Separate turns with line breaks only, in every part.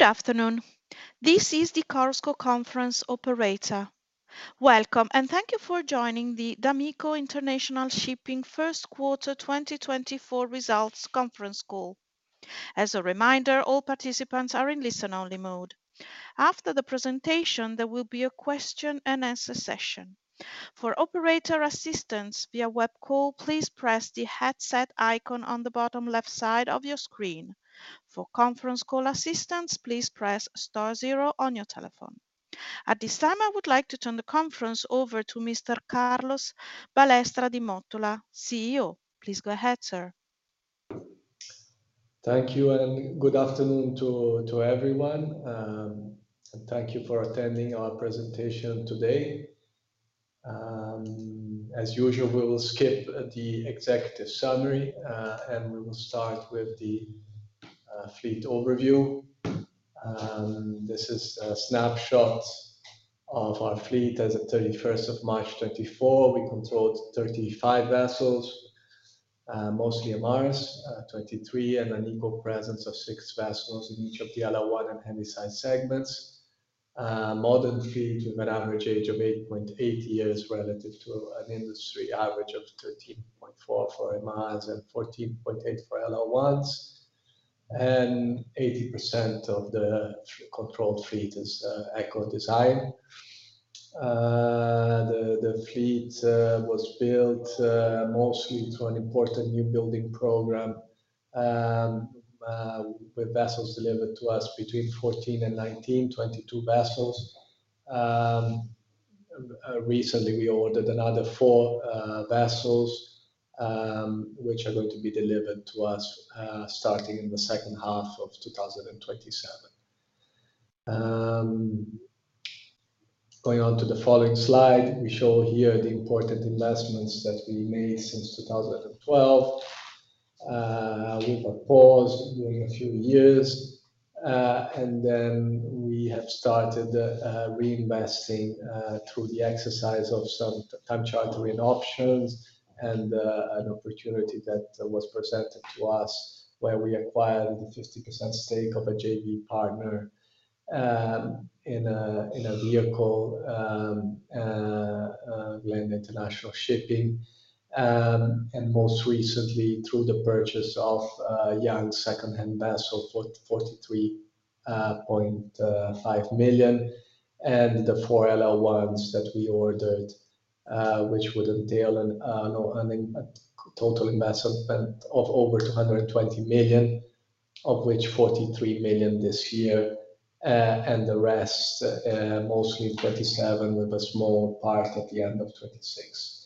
Good afternoon. This is the Chorus Call operator. Welcome, and thank you for joining the d'Amico International Shipping First Quarter 2024 Results Conference Call. As a reminder, all participants are in listen-only mode. After the presentation, there will be a question-and-answer session. For operator assistance via web call, please press the headset icon on the bottom left side of your screen. For conference call assistance, please press star zero on your telephone. At this time, I would like to turn the conference over to Mr. Carlos Balestra di Mottola, CEO. Please go ahead, sir.
Thank you, and good afternoon to everyone. Thank you for attending our presentation today. As usual, we will skip the executive summary, and we will start with the fleet overview. This is a snapshot of our fleet as of 31st of March 2024. We controlled 35 vessels, mostly MRs, 23, and an equal presence of six vessels in each of the LR1 and Handysize segments. Modern fleet with an average age of 8.8 years relative to an industry average of 13.4 for MRs and 14.8 for LR1s. 80% of the controlled fleet is Eco design. The fleet was built mostly through an important newbuilding program with vessels delivered to us between 2014 and 2019, 22 vessels. Recently, we ordered another four vessels, which are going to be delivered to us starting in the second half of 2027. Going on to the following slide, we show here the important investments that we made since 2012. We put pause during a few years, and then we have started reinvesting through the exercise of some time charter re-options and an opportunity that was presented to us where we acquired the 50% stake of a JV partner in a vehicle, Glenda International Shipping. Most recently, through the purchase of a young second-hand vessel, $43.5 million, and the 4 LR1s that we ordered, which would entail a total investment of over $220 million, of which $43 million this year, and the rest mostly in 2027 with a small part at the end of 2026.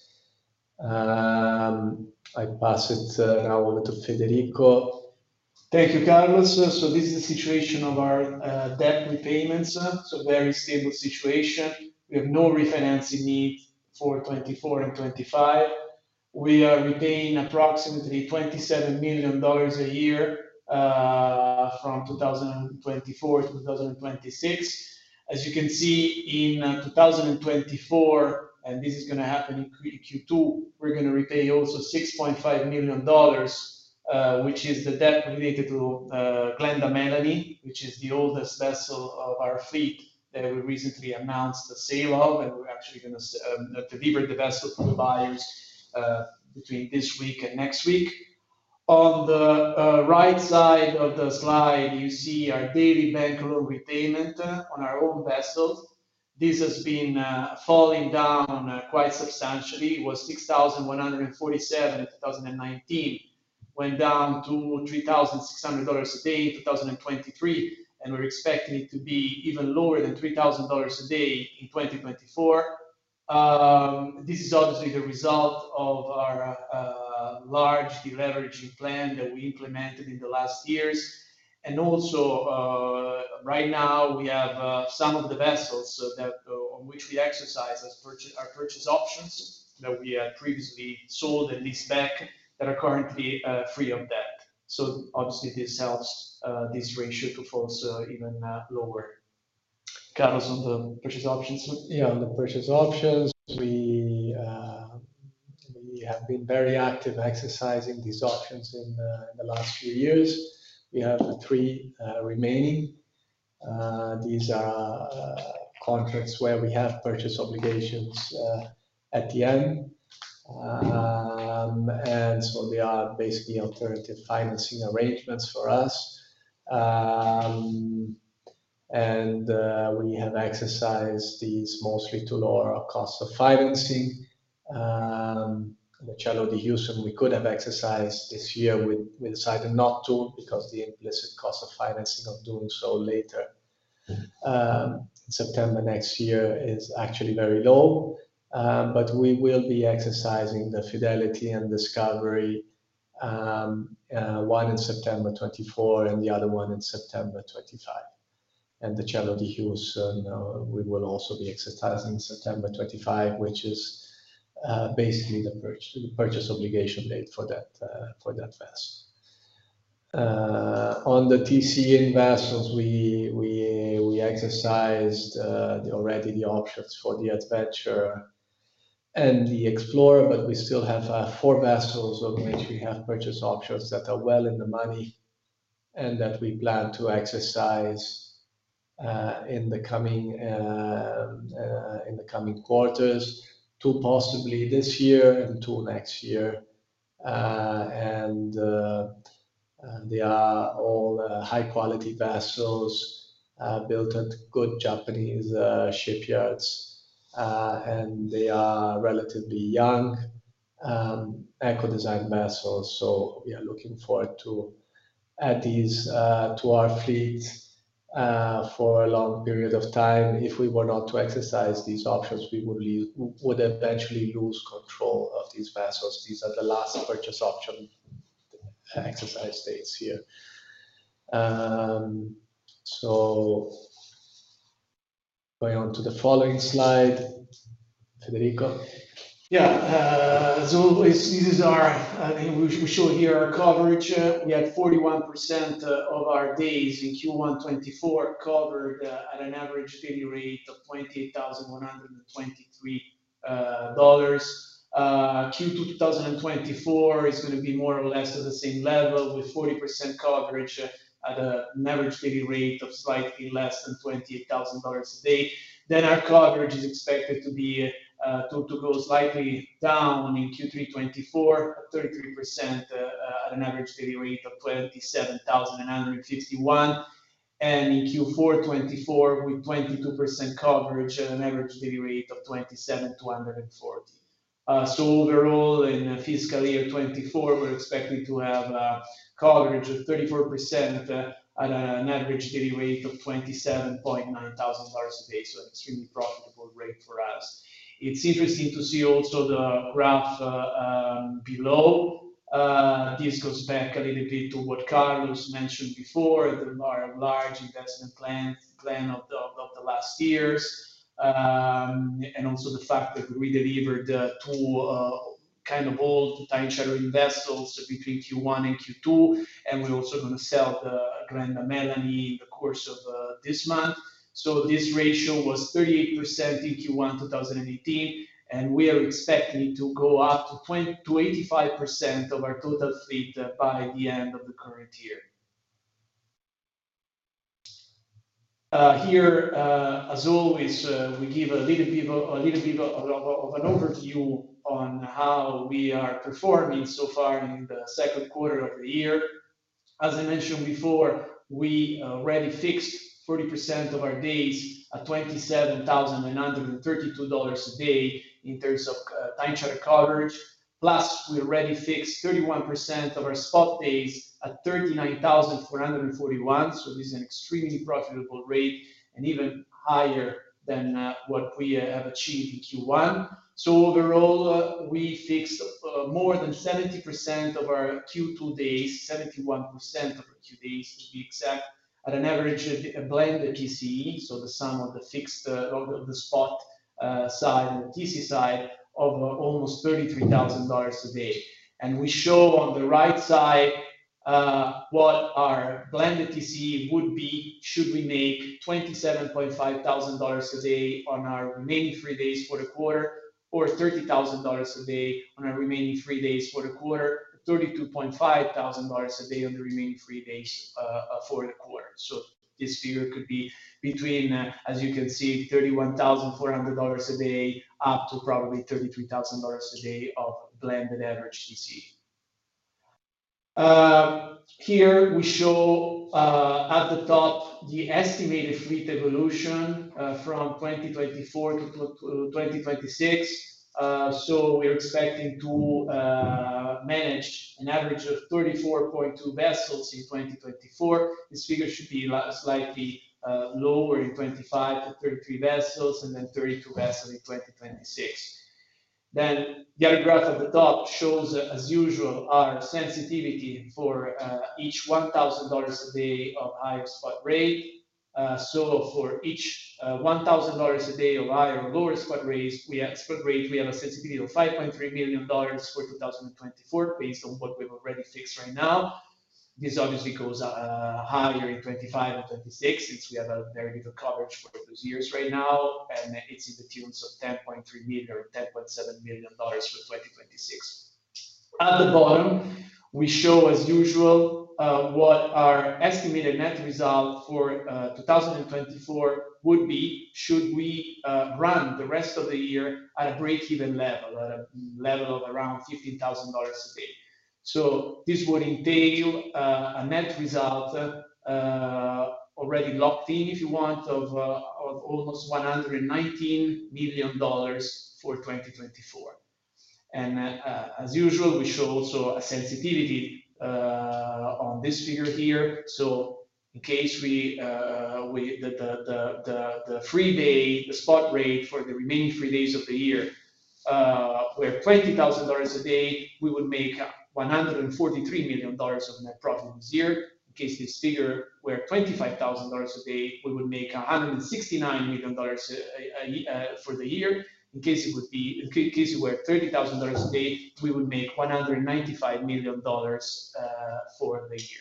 I pass it now over to Federico.
Thank you, Carlos. This is the situation of our debt repayments. Very stable situation. We have no refinancing need for 2024 and 2025. We are repaying approximately $27 million a year from 2024 to 2026. As you can see, in 2024, and this is going to happen in Q2, we're going to repay also $6.5 million, which is the debt related to Glenda Melanie, which is the oldest vessel of our fleet that we recently announced the sale of, and we're actually going to deliver the vessel to the buyers between this week and next week. On the right side of the slide, you see our daily bank loan repayment on our own vessels. This has been falling down quite substantially. It was $6,147 in 2019, went down to $3,600 a day in 2023, and we're expecting it to be even lower than $3,000 a day in 2024. This is obviously the result of our large deleveraging plan that we implemented in the last years. And also, right now, we have some of the vessels on which we exercise our purchase options that we previously sold and leased back that are currently free of debt. So obviously, this helps this ratio to fall even lower. Carlos, on the purchase options?
Yeah, on the purchase options, we have been very active exercising these options in the last few years. We have three remaining. These are contracts where we have purchase obligations at the end. So they are basically alternative financing arrangements for us. We have exercised these mostly to lower our cost of financing. The Cielo di Houston, we could have exercised this year with deciding not to because the implicit cost of financing of doing so later in September next year is actually very low. But we will be exercising the Fidelity and Discovery, one in September 2024 and the other one in September 2025. The Cielo di Houston, we will also be exercising September 2025, which is basically the purchase obligation date for that vessel. On the TC-in vessels, we exercised already the options for the Adventure and the Explorer, but we still have four vessels on which we have purchase options that are well in the money and that we plan to exercise in the coming quarters, two possibly this year and two next year. They are all high-quality vessels built at good Japanese shipyards. They are relatively young Eco Design vessels. We are looking forward to add these to our fleet for a long period of time. If we were not to exercise these options, we would eventually lose control of these vessels. These are the last purchase option exercise dates here. Going on to the following slide, Federico.
Yeah. So this is how we show here our coverage. We had 41% of our days in Q1 2024 covered at an average daily rate of $28,123. Q2 2024 is going to be more or less at the same level with 40% coverage at an average daily rate of slightly less than $28,000 a day. Then our coverage is expected to go slightly down in Q3 2024 at 33% at an average daily rate of $27,951. And in Q4 2024, with 22% coverage, an average daily rate of $27,240. So overall, in fiscal year 2024, we're expecting to have coverage of 34% at an average daily rate of $27,900 a day. So an extremely profitable rate for us. It's interesting to see also the graph below. This goes back a little bit to what Carlos mentioned before, the large investment plan of the last years, and also the fact that we delivered 2 kind of old time charter vessels between Q1 and Q2. We're also going to sell the Glenda Melanie in the course of this month. This ratio was 38% in Q1 2018, and we are expecting to go up to 85% of our total fleet by the end of the current year. Here, as always, we give a little bit of an overview on how we are performing so far in the second quarter of the year. As I mentioned before, we already fixed 40% of our days at $27,932 a day in terms of time charter coverage. Plus, we already fixed 31% of our spot days at $39,441. This is an extremely profitable rate and even higher than what we have achieved in Q1. Overall, we fixed more than 70% of our Q2 days, 71% of our Q2 days, to be exact, at an average blended TCE. The sum of the fixed of the spot side and the TC side of almost $33,000 a day. We show on the right side what our blended TCE would be should we make $27,500 a day on our remaining 3 days for the quarter or $30,000 a day on our remaining 3 days for the quarter or $32,500 a day on the remaining 3 days for the quarter. This figure could be between, as you can see, $31,400 a day up to probably $33,000 a day of blended average TCE. Here, we show at the top the estimated fleet evolution from 2024 to 2026. So we're expecting to manage an average of 34.2 vessels in 2024. This figure should be slightly lower in 2025 to 33 vessels and then 32 vessels in 2026. Then the other graph at the top shows, as usual, our sensitivity for each $1,000 a day of higher spot rate. So for each $1,000 a day of higher or lower spot rates, we have a sensitivity of $5.3 million for 2024 based on what we've already fixed right now. This obviously goes higher in 2025 and 2026 since we have very little coverage for those years right now, and it's to the tune of $10.3 million or $10.7 million for 2026. At the bottom, we show, as usual, what our estimated net result for 2024 would be should we run the rest of the year at a break-even level, at a level of around $15,000 a day. So this would entail a net result already locked in, if you want, of almost $119 million for 2024. As usual, we show also a sensitivity on this figure here. So in case the free days, the spot rate for the remaining three days of the year were $20,000 a day, we would make $143 million of net profit this year. In case this figure were $25,000 a day, we would make $169 million for the year. In case it would be in case it were $30,000 a day, we would make $195 million for the year.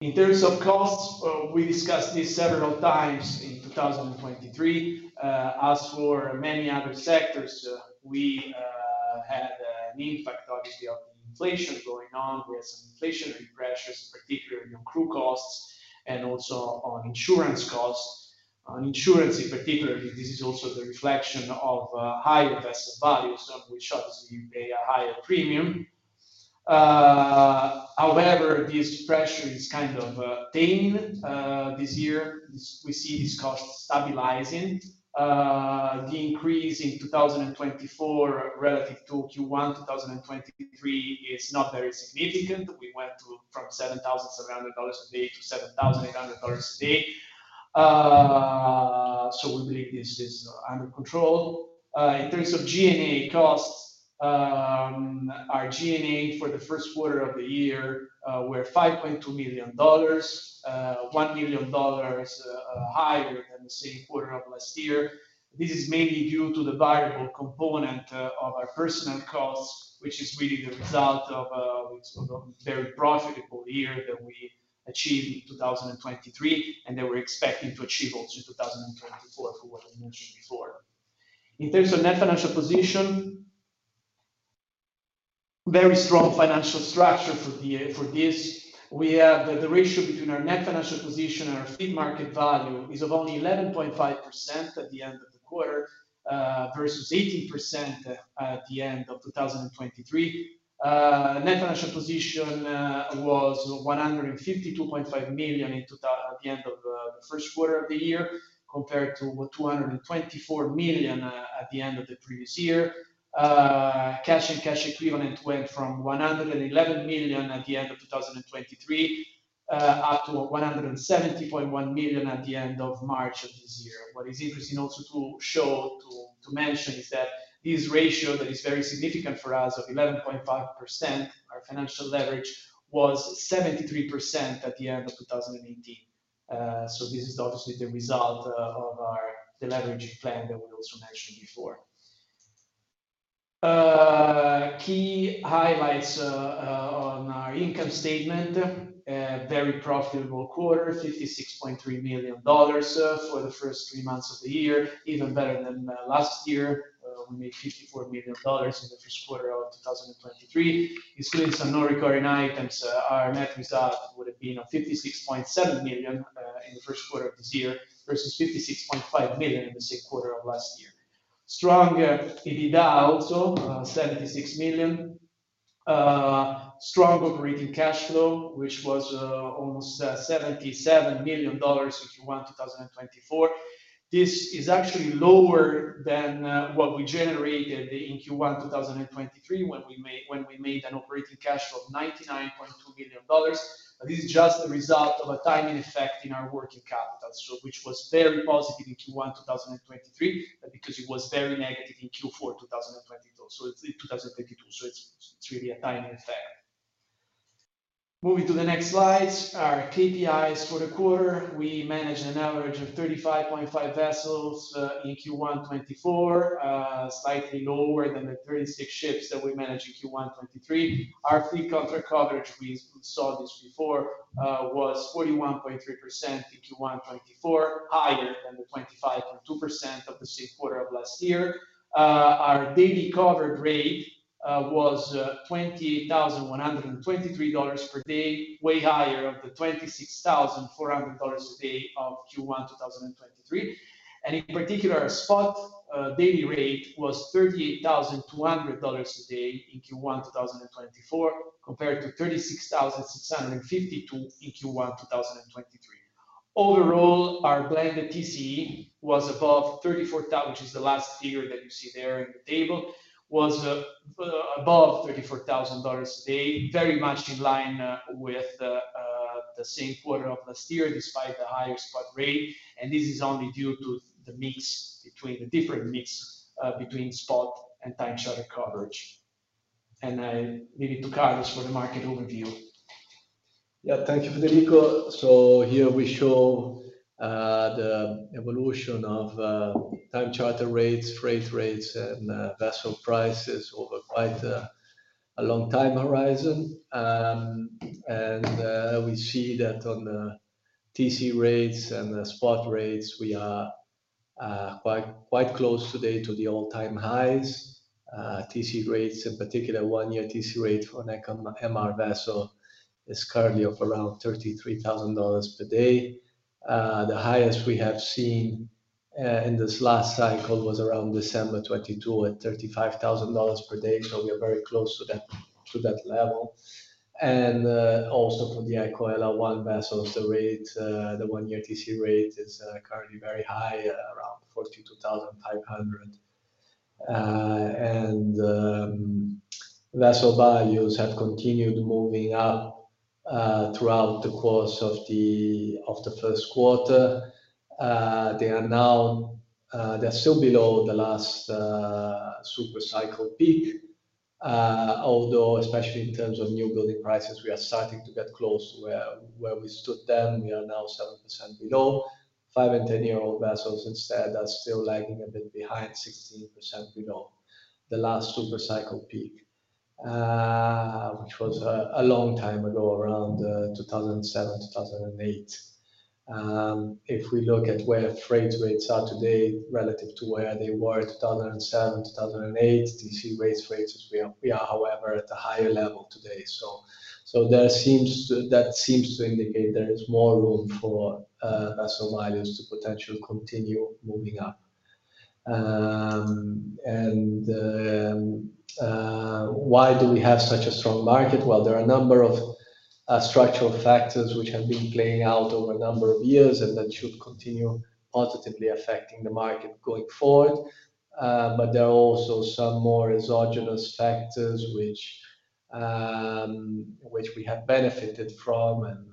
In terms of costs, we discussed this several times in 2023. As for many other sectors, we had an impact, obviously, of the inflation going on. We had some inflationary pressures, particularly on crew costs and also on insurance costs. On insurance, in particular, this is also the reflection of higher vessel values, which obviously pay a higher premium. However, this pressure is kind of taming this year. We see these costs stabilizing. The increase in 2024 relative to Q1 2023 is not very significant. We went from $7,700 a day to $7,800 a day. So we believe this is under control. In terms of G&A costs, our G&A for the first quarter of the year were $5.2 million, $1 million higher than the same quarter of last year. This is mainly due to the variable component of our personnel costs, which is really the result of a very profitable year that we achieved in 2023 and that we're expecting to achieve also in 2024 from what I mentioned before. In terms of net financial position, very strong financial structure for this. We have the ratio between our net financial position and our fleet market value is of only 11.5% at the end of the quarter versus 18% at the end of 2023. Net financial position was $152.5 million at the end of the first quarter of the year compared to $224 million at the end of the previous year. Cash and cash equivalent went from $111 million at the end of 2023 up to $170.1 million at the end of March of this year. What is interesting also to show, to mention, is that this ratio that is very significant for us of 11.5%, our financial leverage, was 73% at the end of 2018. So this is obviously the result of our deleveraging plan that we also mentioned before. Key highlights on our income statement: very profitable quarter, $56.3 million for the first 3 months of the year, even better than last year. We made $54 million in the first quarter of 2023. Excluding some non-recurring items, our net result would have been of $56.7 million in the first quarter of this year versus $56.5 million in the same quarter of last year. Strong EBITDA also, $76 million. Strong operating cash flow, which was almost $77 million in Q1 2024. This is actually lower than what we generated in Q1 2023 when we made an operating cash flow of $99.2 million. But this is just the result of a timing effect in our working capital, which was very positive in Q1 2023 because it was very negative in Q4 2022, so in 2022. So it's really a timing effect. Moving to the next slides, our KPIs for the quarter. We manage an average of 35.5 vessels in Q1 2024, slightly lower than the 36 ships that we manage in Q1 2023. Our fleet contract coverage, we saw this before, was 41.3% in Q1 2024, higher than the 25.2% of the same quarter of last year. Our daily cover rate was $28,123 per day, way higher than the $26,400 a day of Q1 2023. In particular, our spot daily rate was $38,200 a day in Q1 2024 compared to $36,652 in Q1 2023. Overall, our blended TCE was above $34,000, which is the last figure that you see there in the table, was above $34,000 a day, very much in line with the same quarter of last year despite the higher spot rate. This is only due to the mix between the different mix between spot and time charter coverage. And I leave it to Carlos for the market overview.
Yeah. Thank you, Federico. So here we show the evolution of time charter rates, freight rates, and vessel prices over quite a long time horizon. We see that on the TC rates and spot rates, we are quite close today to the all-time highs. TC rates, in particular, one-year TC rate for an MR vessel is currently of around $33,000 per day. The highest we have seen in this last cycle was around December 2022 at $35,000 per day. So we are very close to that level. And also for the Eco LR1 vessels, the rate, the one-year TC rate is currently very high, around $42,500. And vessel values have continued moving up throughout the course of the first quarter. They are now. They're still below the last supercycle peak, although especially in terms of newbuilding prices, we are starting to get close to where we stood then. We are now 7% below. 5- and 10-year-old vessels instead are still lagging a bit behind, 16% below the last supercycle peak, which was a long time ago, around 2007, 2008. If we look at where freight rates are today relative to where they were in 2007, 2008, TC rates, freights, we are, however, at a higher level today. So that seems to indicate there is more room for vessel values to potentially continue moving up. And why do we have such a strong market? Well, there are a number of structural factors which have been playing out over a number of years, and that should continue positively affecting the market going forward. But there are also some more exogenous factors which we have benefited from and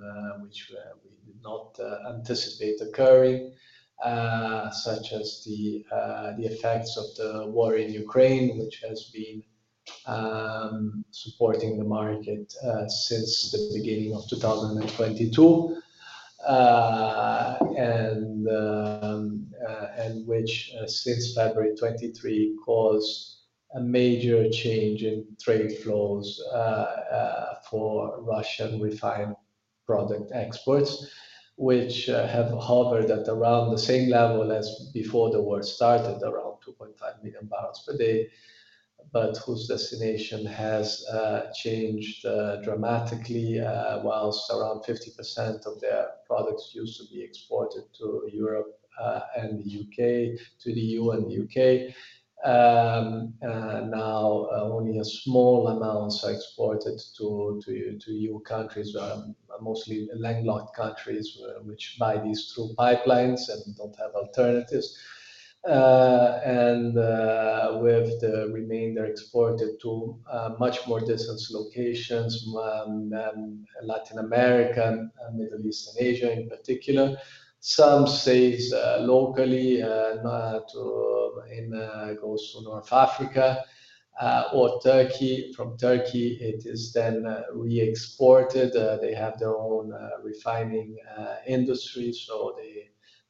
which we did not anticipate occurring, such as the effects of the war in Ukraine, which has been supporting the market since the beginning of 2022 and which, since February 2023, caused a major change in trade flows for Russian refined product exports, which have hovered at around the same level as before the war started, around 2.5 million barrels per day, but whose destination has changed dramatically while around 50% of their products used to be exported to Europe and the UK, to the EU and the UK. Now, only a small amount are exported to EU countries, mostly landlocked countries, which buy these through pipelines and don't have alternatives. And with the remainder, exported to much more distant locations, Latin America, Middle East, and Asia in particular. Some sales locally go to North Africa or Turkey. From Turkey, it is then re-exported. They have their own refining industry, so they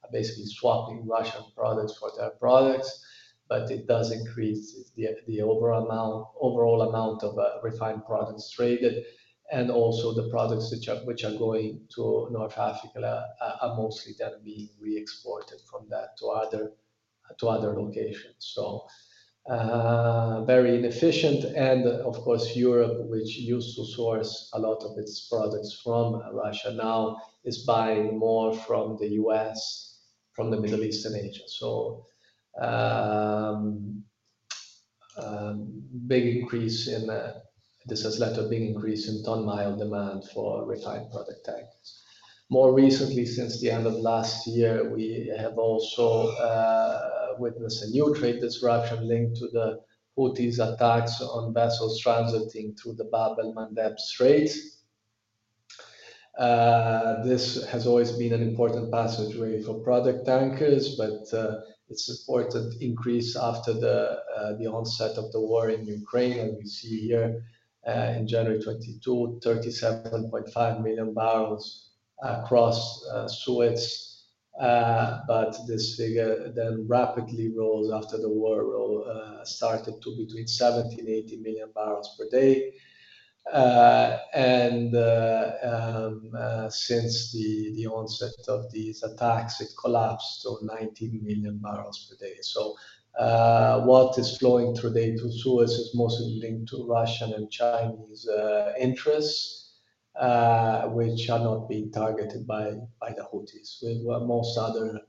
are basically swapping Russian products for their products. But it does increase the overall amount of refined products traded. And also, the products which are going to North Africa are mostly then being re-exported from that to other locations. So very inefficient. And of course, Europe, which used to source a lot of its products from Russia, now is buying more from the U.S., from the Middle East, and Asia. So big increase in this has led to a big increase in ton-mile demand for refined product tankers. More recently, since the end of last year, we have also witnessed a new trade disruption linked to the Houthis' attacks on vessels transiting through the Bab-el-Mandeb Strait. This has always been an important passageway for product tankers, but it's a important increase after the onset of the war in Ukraine. As we see here in January 2022, 37.5 million barrels crossed Suez. But this figure then rapidly rose after the war, started to 70-80 million barrels per day. And since the onset of these attacks, it collapsed to 19 million barrels per day. So what is flowing today through Suez is mostly linked to Russian and Chinese interests, which are not being targeted by the Houthis, with most other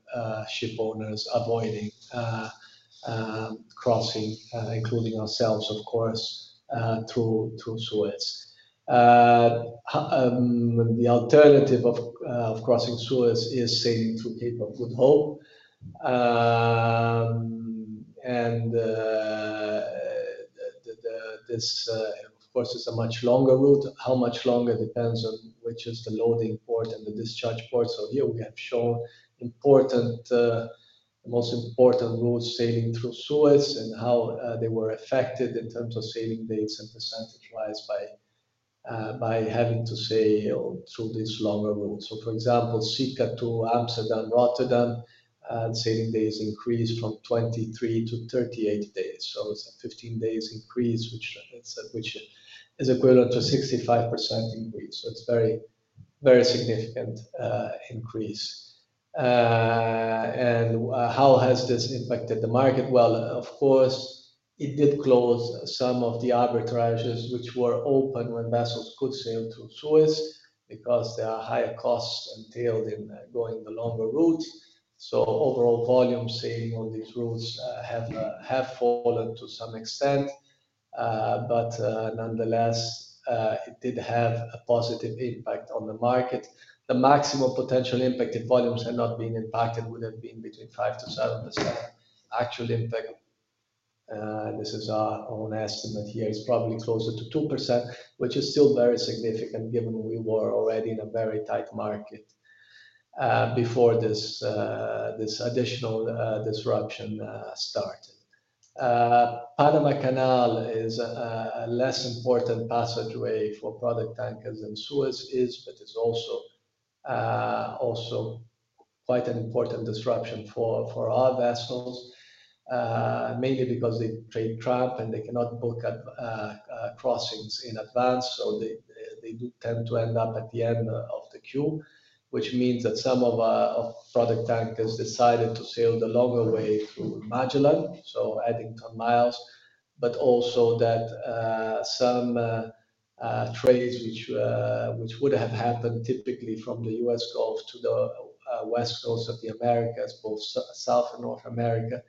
shipowners avoiding crossing, including ourselves, of course, through Suez. The alternative of crossing Suez is sailing through Cape of Good Hope. And this, of course, is a much longer route. How much longer depends on which is the loading port and the discharge port. So here we have shown, importantly, the most important routes sailing through Suez and how they were affected in terms of sailing dates and percentage-wise by having to sail through these longer routes. So, for example, Sikka to Amsterdam, Rotterdam, sailing days increased from 23 to 38 days. So it's a 15-day increase, which is equivalent to a 65% increase. So it's a very, very significant increase. And how has this impacted the market? Well, of course, it did close some of the arbitrages, which were open when vessels could sail through Suez because there are higher costs entailed in going the longer route. So overall volume sailing on these routes have fallen to some extent. But nonetheless, it did have a positive impact on the market. The maximum potential impact if volumes had not been impacted would have been between 5%-7% actual impact. This is our own estimate here. It's probably closer to 2%, which is still very significant given we were already in a very tight market before this additional disruption started. Panama Canal is a less important passageway for product tankers than Suez is, but is also quite an important disruption for our vessels, mainly because they trade tramp and they cannot book crossings in advance. So they do tend to end up at the end of the queue, which means that some of product tankers decided to sail the longer way through Magellan, so adding ton miles, but also that some trades, which would have happened typically from the U.S. Gulf to the west coast of the Americas, both South and North America,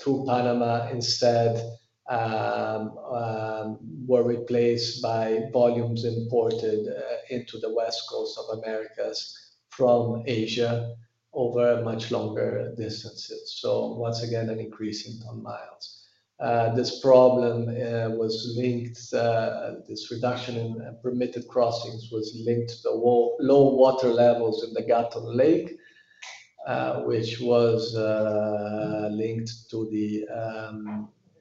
through Panama instead, were replaced by volumes imported into the west coast of Americas from Asia over much longer distances. So once again, an increase in ton miles. This problem was linked; this reduction in permitted crossings was linked to the low water levels in the Gatun Lake, which was linked to the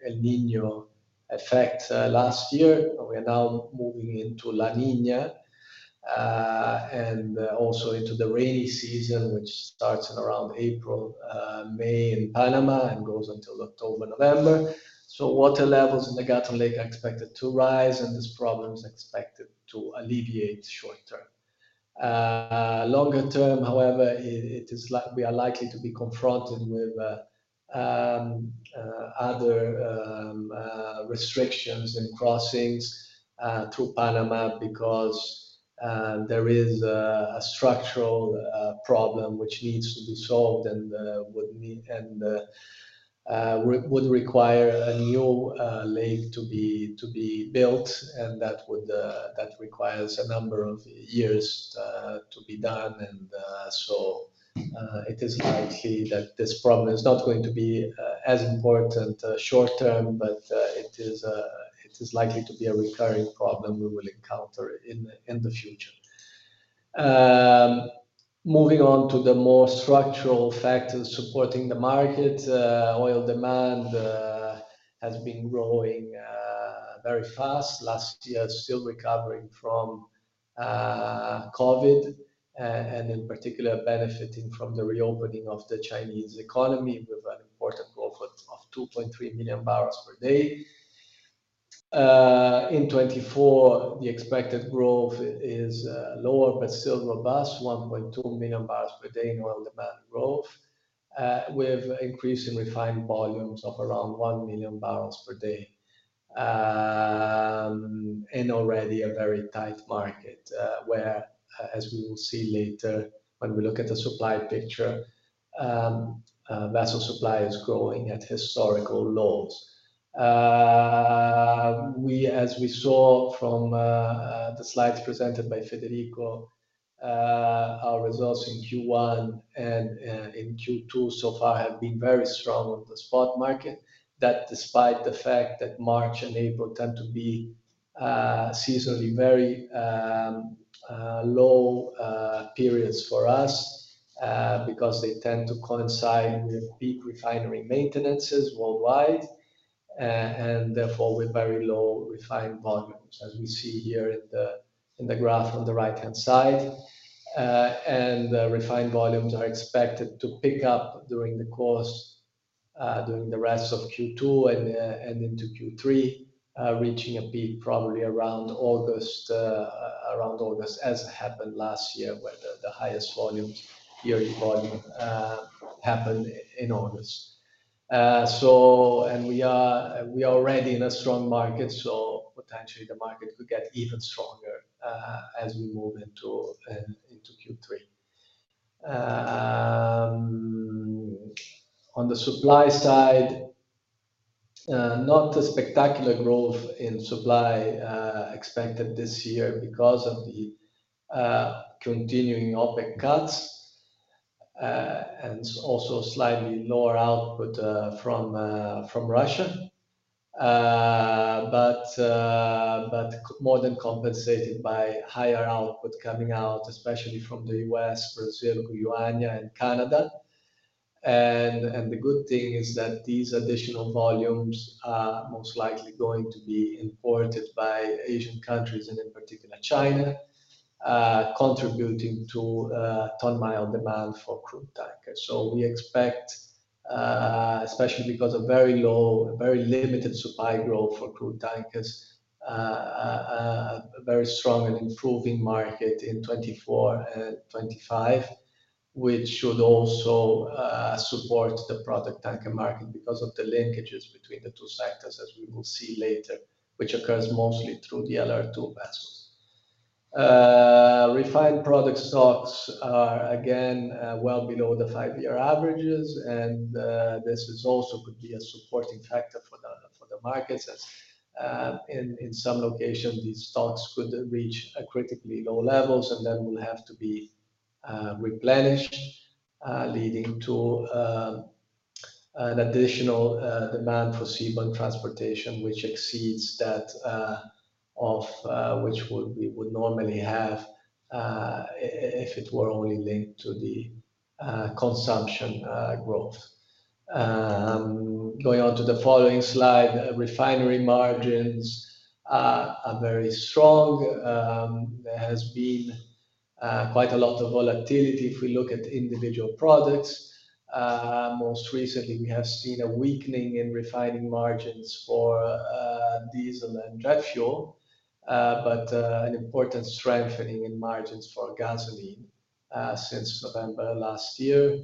El Niño effect last year. We are now moving into La Niña and also into the rainy season, which starts in around April, May in Panama, and goes until October, November. So water levels in the Gatun Lake are expected to rise, and this problem is expected to alleviate short term. Longer term, however, we are likely to be confronted with other restrictions in crossings through Panama because there is a structural problem which needs to be solved and would require a new lake to be built. And that requires a number of years to be done. So it is likely that this problem is not going to be as important short term, but it is likely to be a recurring problem we will encounter in the future. Moving on to the more structural factors supporting the market, oil demand has been growing very fast. Last year, still recovering from COVID and in particular benefiting from the reopening of the Chinese economy with an important growth of 2.3 million barrels per day. In 2024, the expected growth is lower but still robust, 1.2 million barrels per day in oil demand growth, with an increase in refined volumes of around 1 million barrels per day. Already a very tight market where, as we will see later when we look at the supply picture, vessel supply is growing at historical lows. As we saw from the slides presented by Federico, our results in Q1 and in Q2 so far have been very strong on the spot market, that despite the fact that March and April tend to be seasonally very low periods for us because they tend to coincide with peak refinery maintenances worldwide and therefore with very low refined volumes, as we see here in the graph on the right-hand side. Refined volumes are expected to pick up during the course during the rest of Q2 and into Q3, reaching a peak probably around August, as happened last year where the highest volumes, yearly volume, happened in August. We are already in a strong market, so potentially the market could get even stronger as we move into Q3. On the supply side, not spectacular growth in supply expected this year because of the continuing OPEC cuts and also slightly lower output from Russia, but more than compensated by higher output coming out, especially from the U.S., Brazil, Guyana, and Canada. The good thing is that these additional volumes are most likely going to be imported by Asian countries and in particular China, contributing to ton-mile demand for crude tankers. We expect, especially because of very low, very limited supply growth for crude tankers, a very strong and improving market in 2024 and 2025, which should also support the product tanker market because of the linkages between the two sectors, as we will see later, which occurs mostly through the LR2 vessels. Refined product stocks are, again, well below the five-year averages. This also could be a supporting factor for the markets, as in some locations, these stocks could reach critically low levels and then will have to be replenished, leading to an additional demand for seaborne transportation, which exceeds that of which we would normally have if it were only linked to the consumption growth. Going on to the following slide, refinery margins are very strong. There has been quite a lot of volatility if we look at individual products. Most recently, we have seen a weakening in refining margins for diesel and jet fuel, but an important strengthening in margins for gasoline since November last year,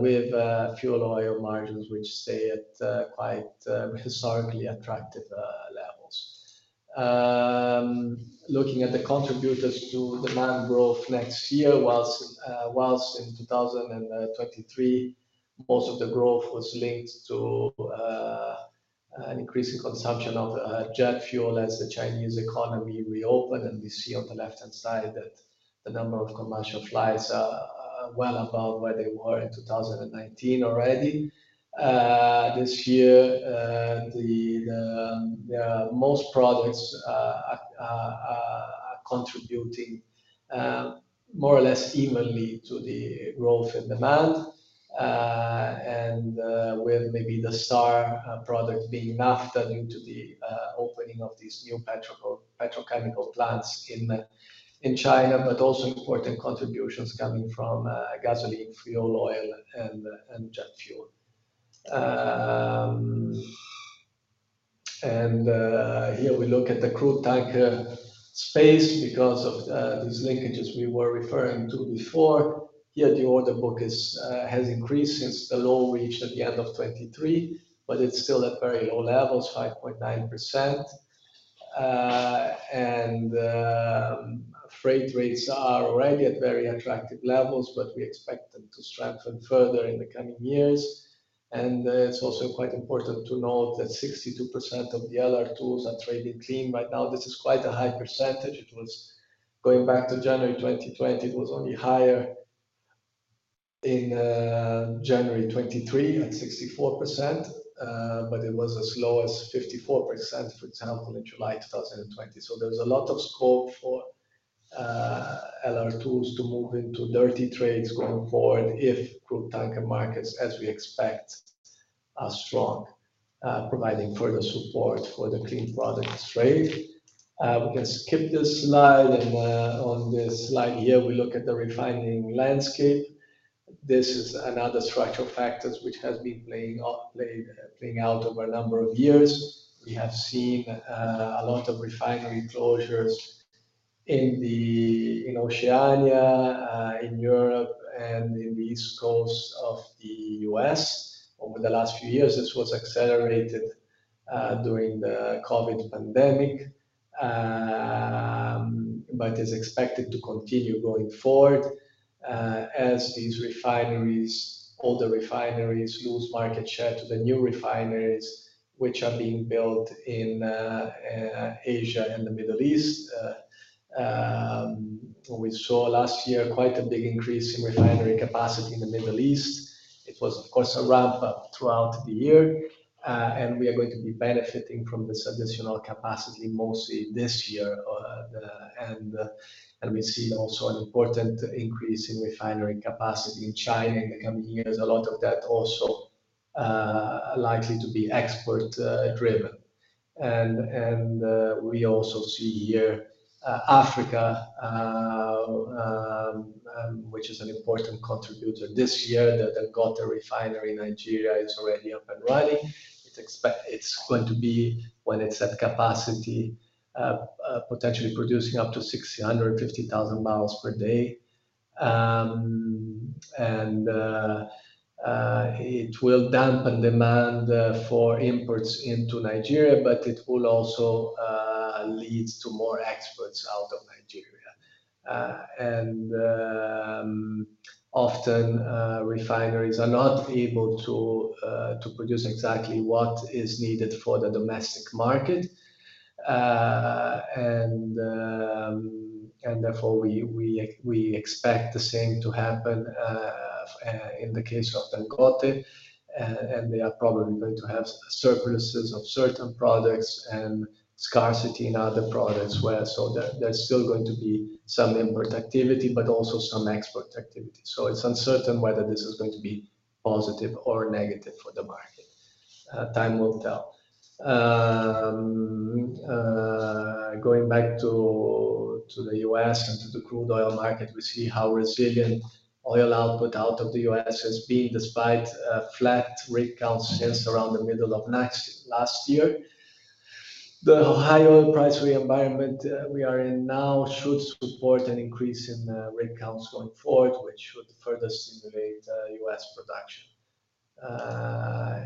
with fuel oil margins which stay at quite historically attractive levels. Looking at the contributors to demand growth next year, whilst in 2023, most of the growth was linked to an increasing consumption of jet fuel as the Chinese economy reopened. We see on the left-hand side that the number of commercial flights are well above where they were in 2019 already. This year, most products are contributing more or less evenly to the growth in demand, with maybe the star product being naphtha due to the opening of these new petrochemical plants in China, but also important contributions coming from gasoline, fuel oil, and jet fuel. Here we look at the crude tanker space because of these linkages we were referring to before. Here, the order book has increased since the low reached at the end of 2023, but it's still at very low levels, 5.9%. Freight rates are already at very attractive levels, but we expect them to strengthen further in the coming years. It's also quite important to note that 62% of the LR2s are trading clean right now. This is quite a high percentage. Going back to January 2020, it was only higher in January 2023 at 64%, but it was as low as 54%, for example, in July 2020. So there's a lot of scope for LR2s to move into dirty trades going forward if crude tanker markets, as we expect, are strong, providing further support for the clean products trade. We can skip this slide. On this slide here, we look at the refining landscape. This is another structural factor which has been playing out over a number of years. We have seen a lot of refinery closures in Oceania, in Europe, and in the east coast of the US. Over the last few years, this was accelerated during the COVID pandemic, but is expected to continue going forward as these refineries, older refineries, lose market share to the new refineries, which are being built in Asia and the Middle East. We saw last year quite a big increase in refinery capacity in the Middle East. It was, of course, a ramp-up throughout the year. We are going to be benefiting from this additional capacity mostly this year. We see also an important increase in refinery capacity in China in the coming years. A lot of that also likely to be export-driven. We also see here Africa, which is an important contributor this year. The Dangote Refinery in Nigeria is already up and running. It's going to be, when it's at capacity, potentially producing up to 650,000 barrels per day. It will dampen demand for imports into Nigeria, but it will also lead to more exports out of Nigeria. Often, refineries are not able to produce exactly what is needed for the domestic market. Therefore, we expect the same to happen in the case of Dangote. They are probably going to have surpluses of certain products and scarcity in other products as well. There's still going to be some import activity, but also some export activity. It's uncertain whether this is going to be positive or negative for the market. Time will tell. Going back to the U.S. and to the crude oil market, we see how resilient oil output out of the U.S. has been despite flat rig counts since around the middle of last year. The high oil price re-environment we are in now should support an increase in rig counts going forward, which should further stimulate U.S. production.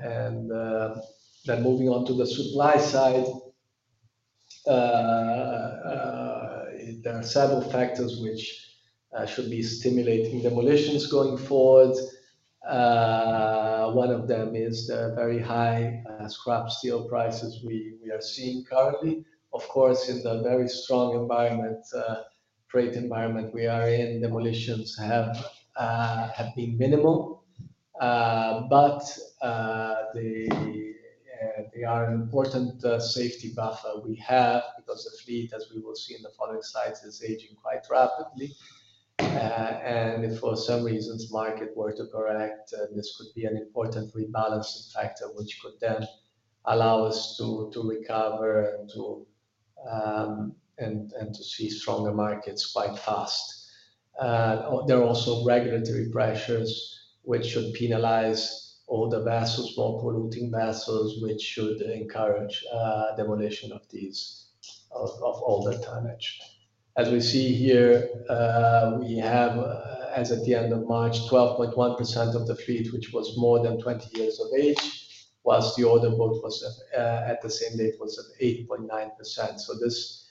And then moving on to the supply side, there are several factors which should be stimulating demolitions going forward. One of them is the very high scrap steel prices we are seeing currently. Of course, in the very strong environment, freight environment we are in, demolitions have been minimal. But they are an important safety buffer we have because the fleet, as we will see in the following slides, is aging quite rapidly. And if for some reason market were to correct, this could be an important rebalancing factor which could then allow us to recover and to see stronger markets quite fast. There are also regulatory pressures which should penalize older vessels, more polluting vessels, which should encourage demolition of all that tonnage. As we see here, we have, as at the end of March, 12.1% of the fleet, which was more than 20 years of age, whilst the order book was at the same date, was at 8.9%. So this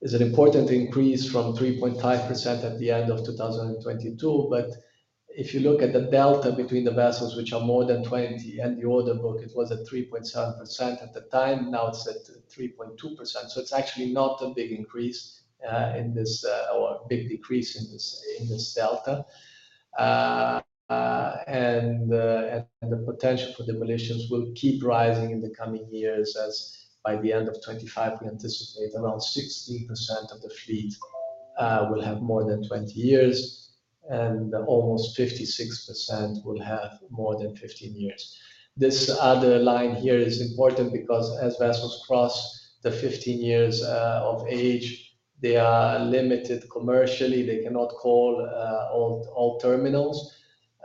is an important increase from 3.5% at the end of 2022. But if you look at the delta between the vessels, which are more than 20, and the order book, it was at 3.7% at the time. Now it's at 3.2%. So it's actually not a big increase in this or a big decrease in this delta. And the potential for demolitions will keep rising in the coming years. By the end of 2025, we anticipate around 60% of the fleet will have more than 20 years, and almost 56% will have more than 15 years. This other line here is important because as vessels cross the 15 years of age, they are limited commercially. They cannot call all terminals.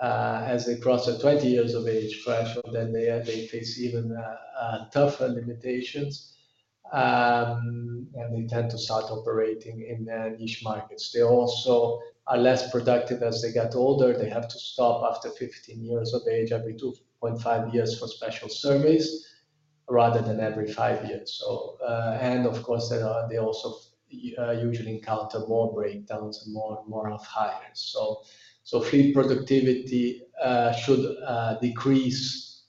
As they cross the 20 years of age threshold, then they face even tougher limitations, and they tend to start operating in niche markets. They also are less productive as they get older. They have to stop after 15 years of age, every 2.5 years for special surveys, rather than every 5 years. And of course, they also usually encounter more breakdowns and more off-hires. So fleet productivity should decrease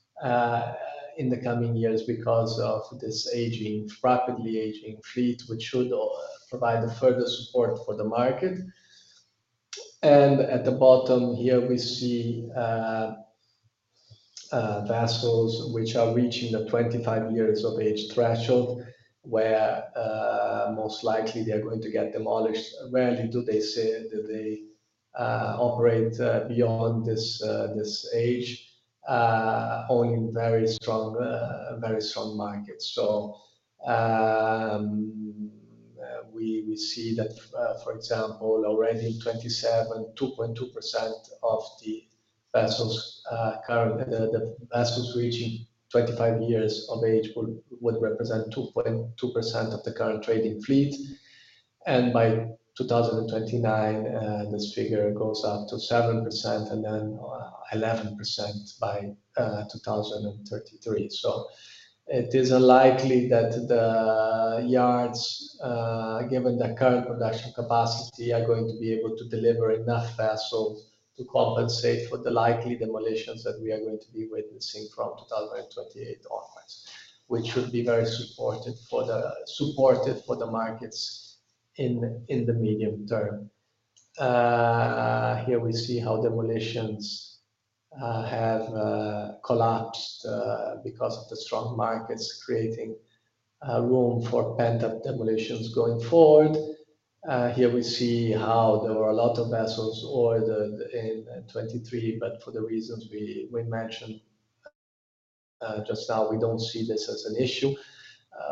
in the coming years because of this aging, rapidly aging fleet, which should provide further support for the market. At the bottom here, we see vessels which are reaching the 25 years of age threshold, where most likely they are going to get demolished. Rarely do they say that they operate beyond this age only in very strong markets. So we see that, for example, already in 2027, 2.2% of the vessels currently reaching 25 years of age would represent 2.2% of the current trading fleet. And by 2029, this figure goes up to 7% and then 11% by 2033. So it is unlikely that the yards, given the current production capacity, are going to be able to deliver enough vessels to compensate for the likely demolitions that we are going to be witnessing from 2028 onwards, which should be very supported for the markets in the medium term. Here we see how demolitions have collapsed because of the strong markets, creating room for pent-up demolitions going forward. Here we see how there were a lot of vessels ordered in 2023, but for the reasons we mentioned just now, we don't see this as an issue.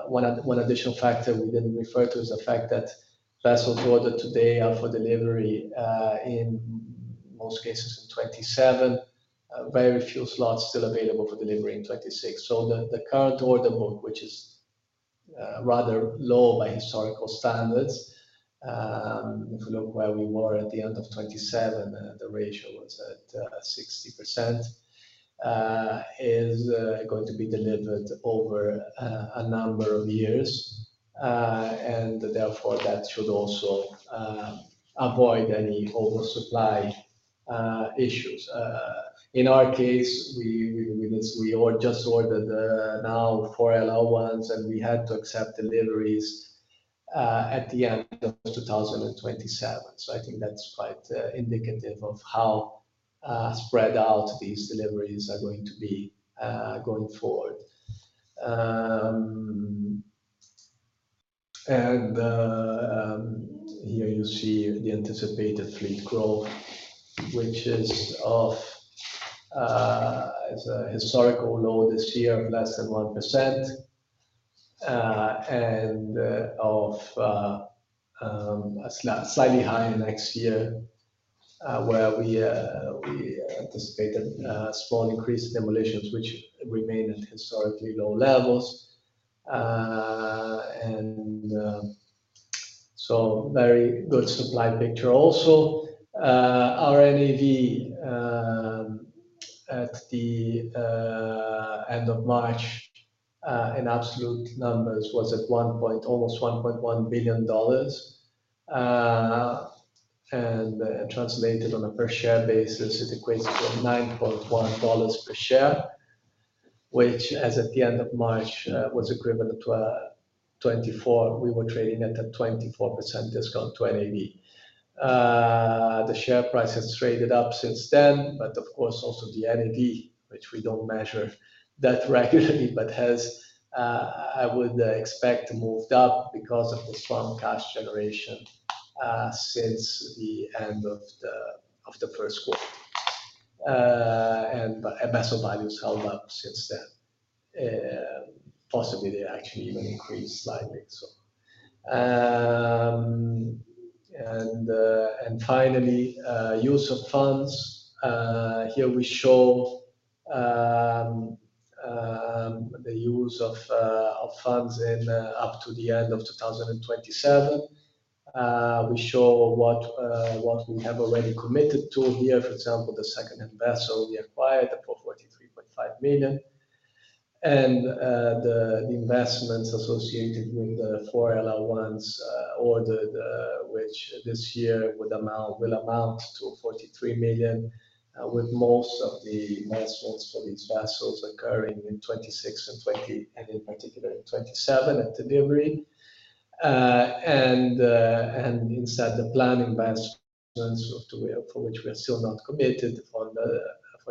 One additional factor we didn't refer to is the fact that vessels ordered today are for delivery, in most cases, in 2027. Very few slots still available for delivery in 2026. So the current order book, which is rather low by historical standards... If we look where we were at the end of 2027, the ratio was at 60%, is going to be delivered over a number of years. And therefore, that should also avoid any oversupply issues. In our case, we just ordered now 4 LR1s, and we had to accept deliveries at the end of 2027. So I think that's quite indicative of how spread out these deliveries are going to be going forward. Here you see the anticipated fleet growth, which is. It's a historical low this year of less than 1% and of a slightly higher next year, where we anticipated a small increase in demolitions, which remain at historically low levels. So very good supply picture also. Our NAV at the end of March, in absolute numbers, was at one point almost $1.1 billion. Translated on a per-share basis, it equates to $9.1 per share, which, as at the end of March, was equivalent to a 24%. We were trading at a 24% discount to NAV. The share price has traded up since then, but of course, also the NAV, which we don't measure that regularly, but has, I would expect, moved up because of the strong cash generation since the end of the first quarter. Vessel values held up since then. Possibly, they actually even increased slightly. Finally, use of funds. Here we show the use of funds up to the end of 2027. We show what we have already committed to here. For example, the secondhand vessel we acquired for $43.5 million. The investments associated with the four LR1s ordered, which this year will amount to $43 million, with most of the investments for these vessels occurring in 2026 and, in particular, in 2027 at delivery. Instead, the planned investments for which we are still not committed for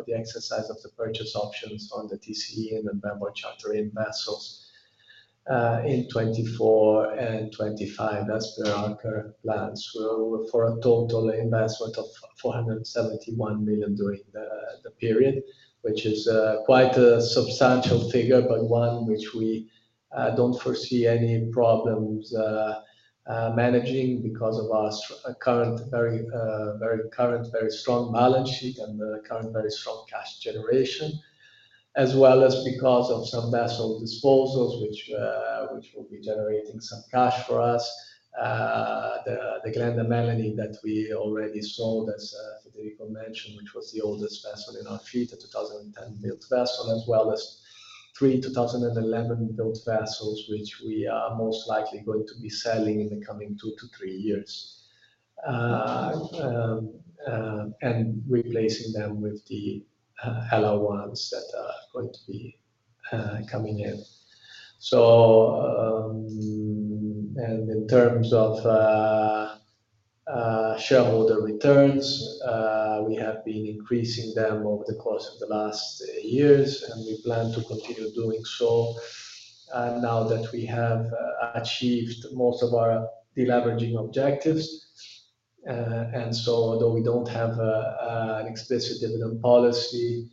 the exercise of the purchase options on the TC-in and the bareboat charter-in vessels in 2024 and 2025, as per our current plans, for a total investment of $471 million during the period, which is quite a substantial figure, but one which we don't foresee any problems managing because of our current, very strong balance sheet and the current, very strong cash generation, as well as because of some vessel disposals, which will be generating some cash for us. The Glenda Melanie that we already sold, as Federico mentioned, which was the oldest vessel in our fleet, a 2010-built vessel, as well as 3 2011-built vessels, which we are most likely going to be selling in the coming 2-3 years and replacing them with the LR1s that are going to be coming in. In terms of shareholder returns, we have been increasing them over the course of the last years, and we plan to continue doing so now that we have achieved most of our deleveraging objectives. Although we don't have an explicit dividend policy,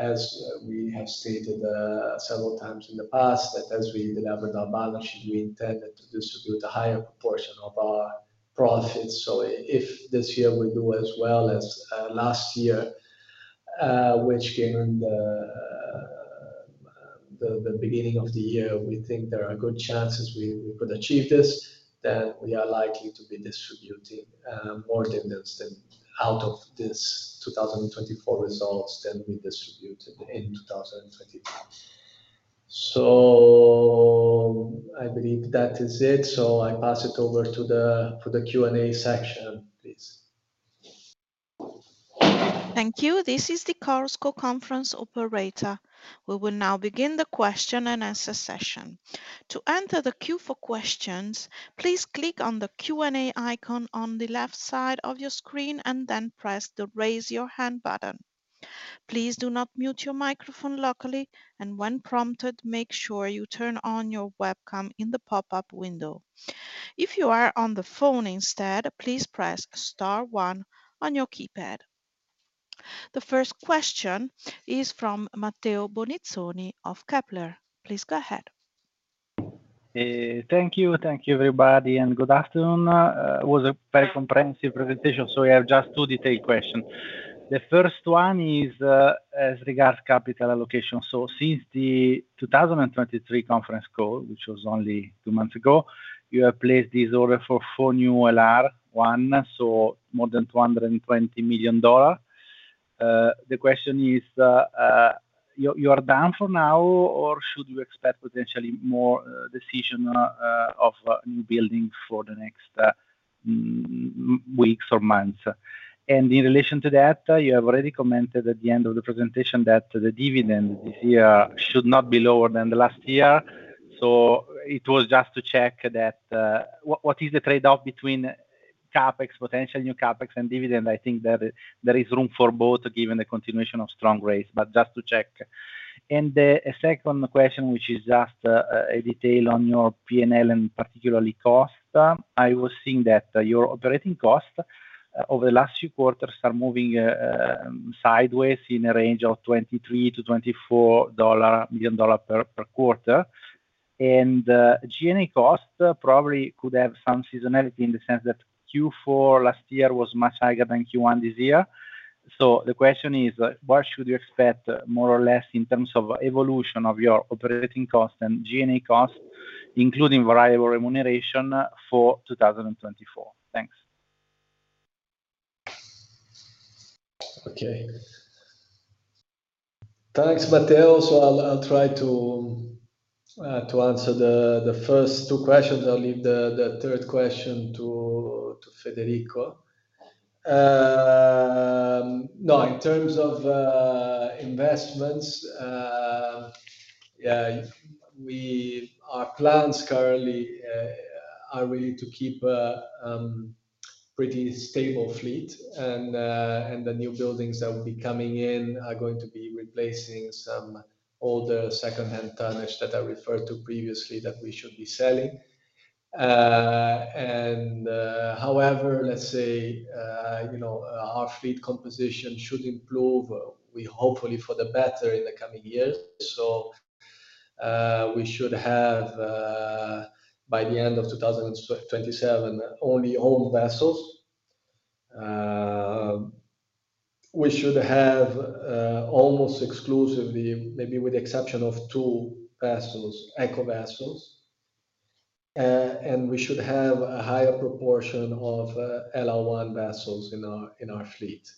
as we have stated several times in the past, that as we delivered our balance sheet, we intended to distribute a higher proportion of our profits. So if this year we do as well as last year, which came in the beginning of the year, we think there are good chances we could achieve this, then we are likely to be distributing more dividends out of these 2024 results than we distributed in 2022. So I believe that is it. So I pass it over to the Q&A section, please.
Thank you. This is the Chorus Call Conference Operator. We will now begin the question-and-answer session. To enter the queue for questions, please click on the Q&A icon on the left side of your screen and then press the "Raise Your Hand" button. Please do not mute your microphone locally, and when prompted, make sure you turn on your webcam in the pop-up window. If you are on the phone instead, please press star one on your keypad. The first question is from Matteo Bonizzoni of Kepler. Please go ahead.
Thank you. Thank you, everybody, and good afternoon. It was a very comprehensive presentation, so we have just two detailed questions. The first one is as regards capital allocation. So since the 2023 conference call, which was only two months ago, you have placed this order for four new LR1s, so more than $220 million. The question is, you are done for now, or should you expect potentially more decisions of newbuildings for the next weeks or months? And in relation to that, you have already commented at the end of the presentation that the dividend this year should not be lower than the last year. So it was just to check that what is the trade-off between potential new CapEx and dividend? I think there is room for both, given the continuation of strong rates, but just to check. The second question, which is just a detail on your P&L and particularly cost, I was seeing that your operating costs over the last few quarters are moving sideways in a range of $23-$24 million per quarter. G&A costs probably could have some seasonality in the sense that Q4 last year was much higher than Q1 this year. So the question is, what should you expect more or less in terms of evolution of your operating costs and G&A costs, including variable remuneration, for 2024? Thanks.
Okay. Thanks, Matteo. So I'll try to answer the first two questions. I'll leave the third question to Federico. No, in terms of investments, our plans currently are really to keep a pretty stable fleet. The newbuildings that will be coming in are going to be replacing some older secondhand tonnage that I referred to previously that we should be selling. However, let's say our fleet composition should improve, hopefully for the better, in the coming years. We should have, by the end of 2027, only owned vessels. We should have almost exclusively, maybe with the exception of two vessels, eco-vessels. We should have a higher proportion of LR1 vessels in our fleet.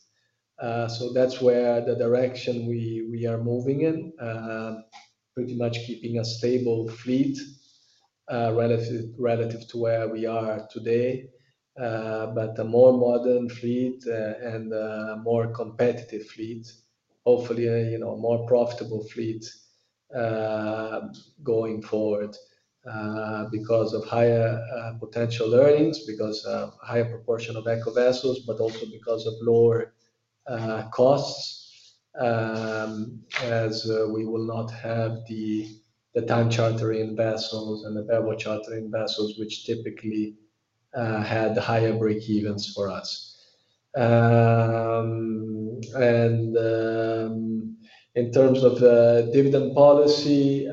So that's where the direction we are moving in, pretty much keeping a stable fleet relative to where we are today, but a more modern fleet and a more competitive fleet, hopefully a more profitable fleet going forward because of higher potential earnings, because of a higher proportion of eco-vessels, but also because of lower costs, as we will not have the time chartering vessels and the Bareboat Charter-In vessels, which typically had higher break-evens for us. And in terms of dividend policy,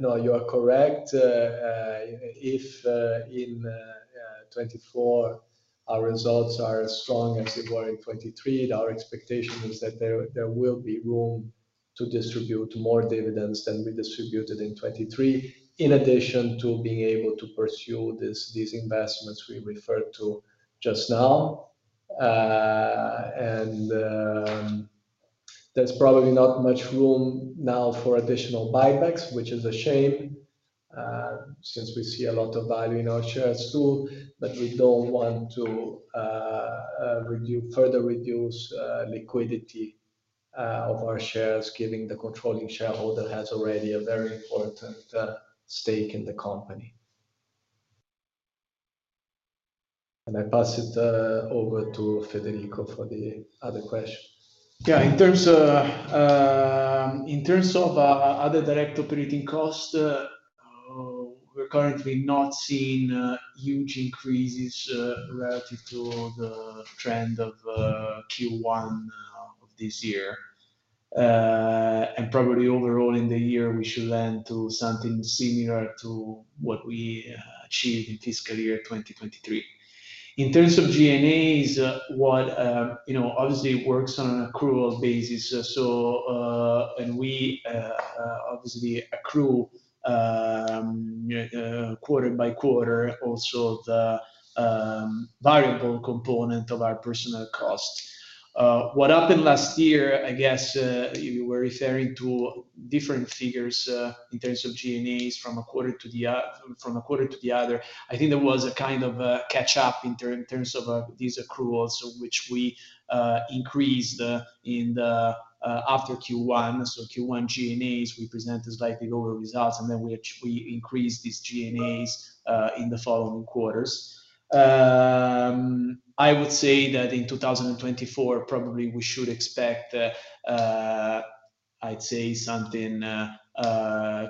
no, you are correct. If in 2024 our results are as strong as they were in 2023, our expectation is that there will be room to distribute more dividends than we distributed in 2023, in addition to being able to pursue these investments we referred to just now. There's probably not much room now for additional buybacks, which is a shame since we see a lot of value in our shares too. But we don't want to further reduce liquidity of our shares, given the controlling shareholder has already a very important stake in the company. I pass it over to Federico for the other question.
Yeah, in terms of other direct operating costs, we're currently not seeing huge increases relative to the trend of Q1 of this year. Probably overall in the year, we should tend to something similar to what we achieved in fiscal year 2023. In terms of G&A, it's what obviously works on an accrual basis. We obviously accrue quarter by quarter also the variable component of our personnel costs. What happened last year, I guess you were referring to different figures in terms of G&As from one quarter to the other. I think there was a kind of catch-up in terms of these accruals, which we increased after Q1. So Q1 G&As, we presented slightly lower results, and then we increased these G&As in the following quarters. I would say that in 2024, probably we should expect, I'd say, something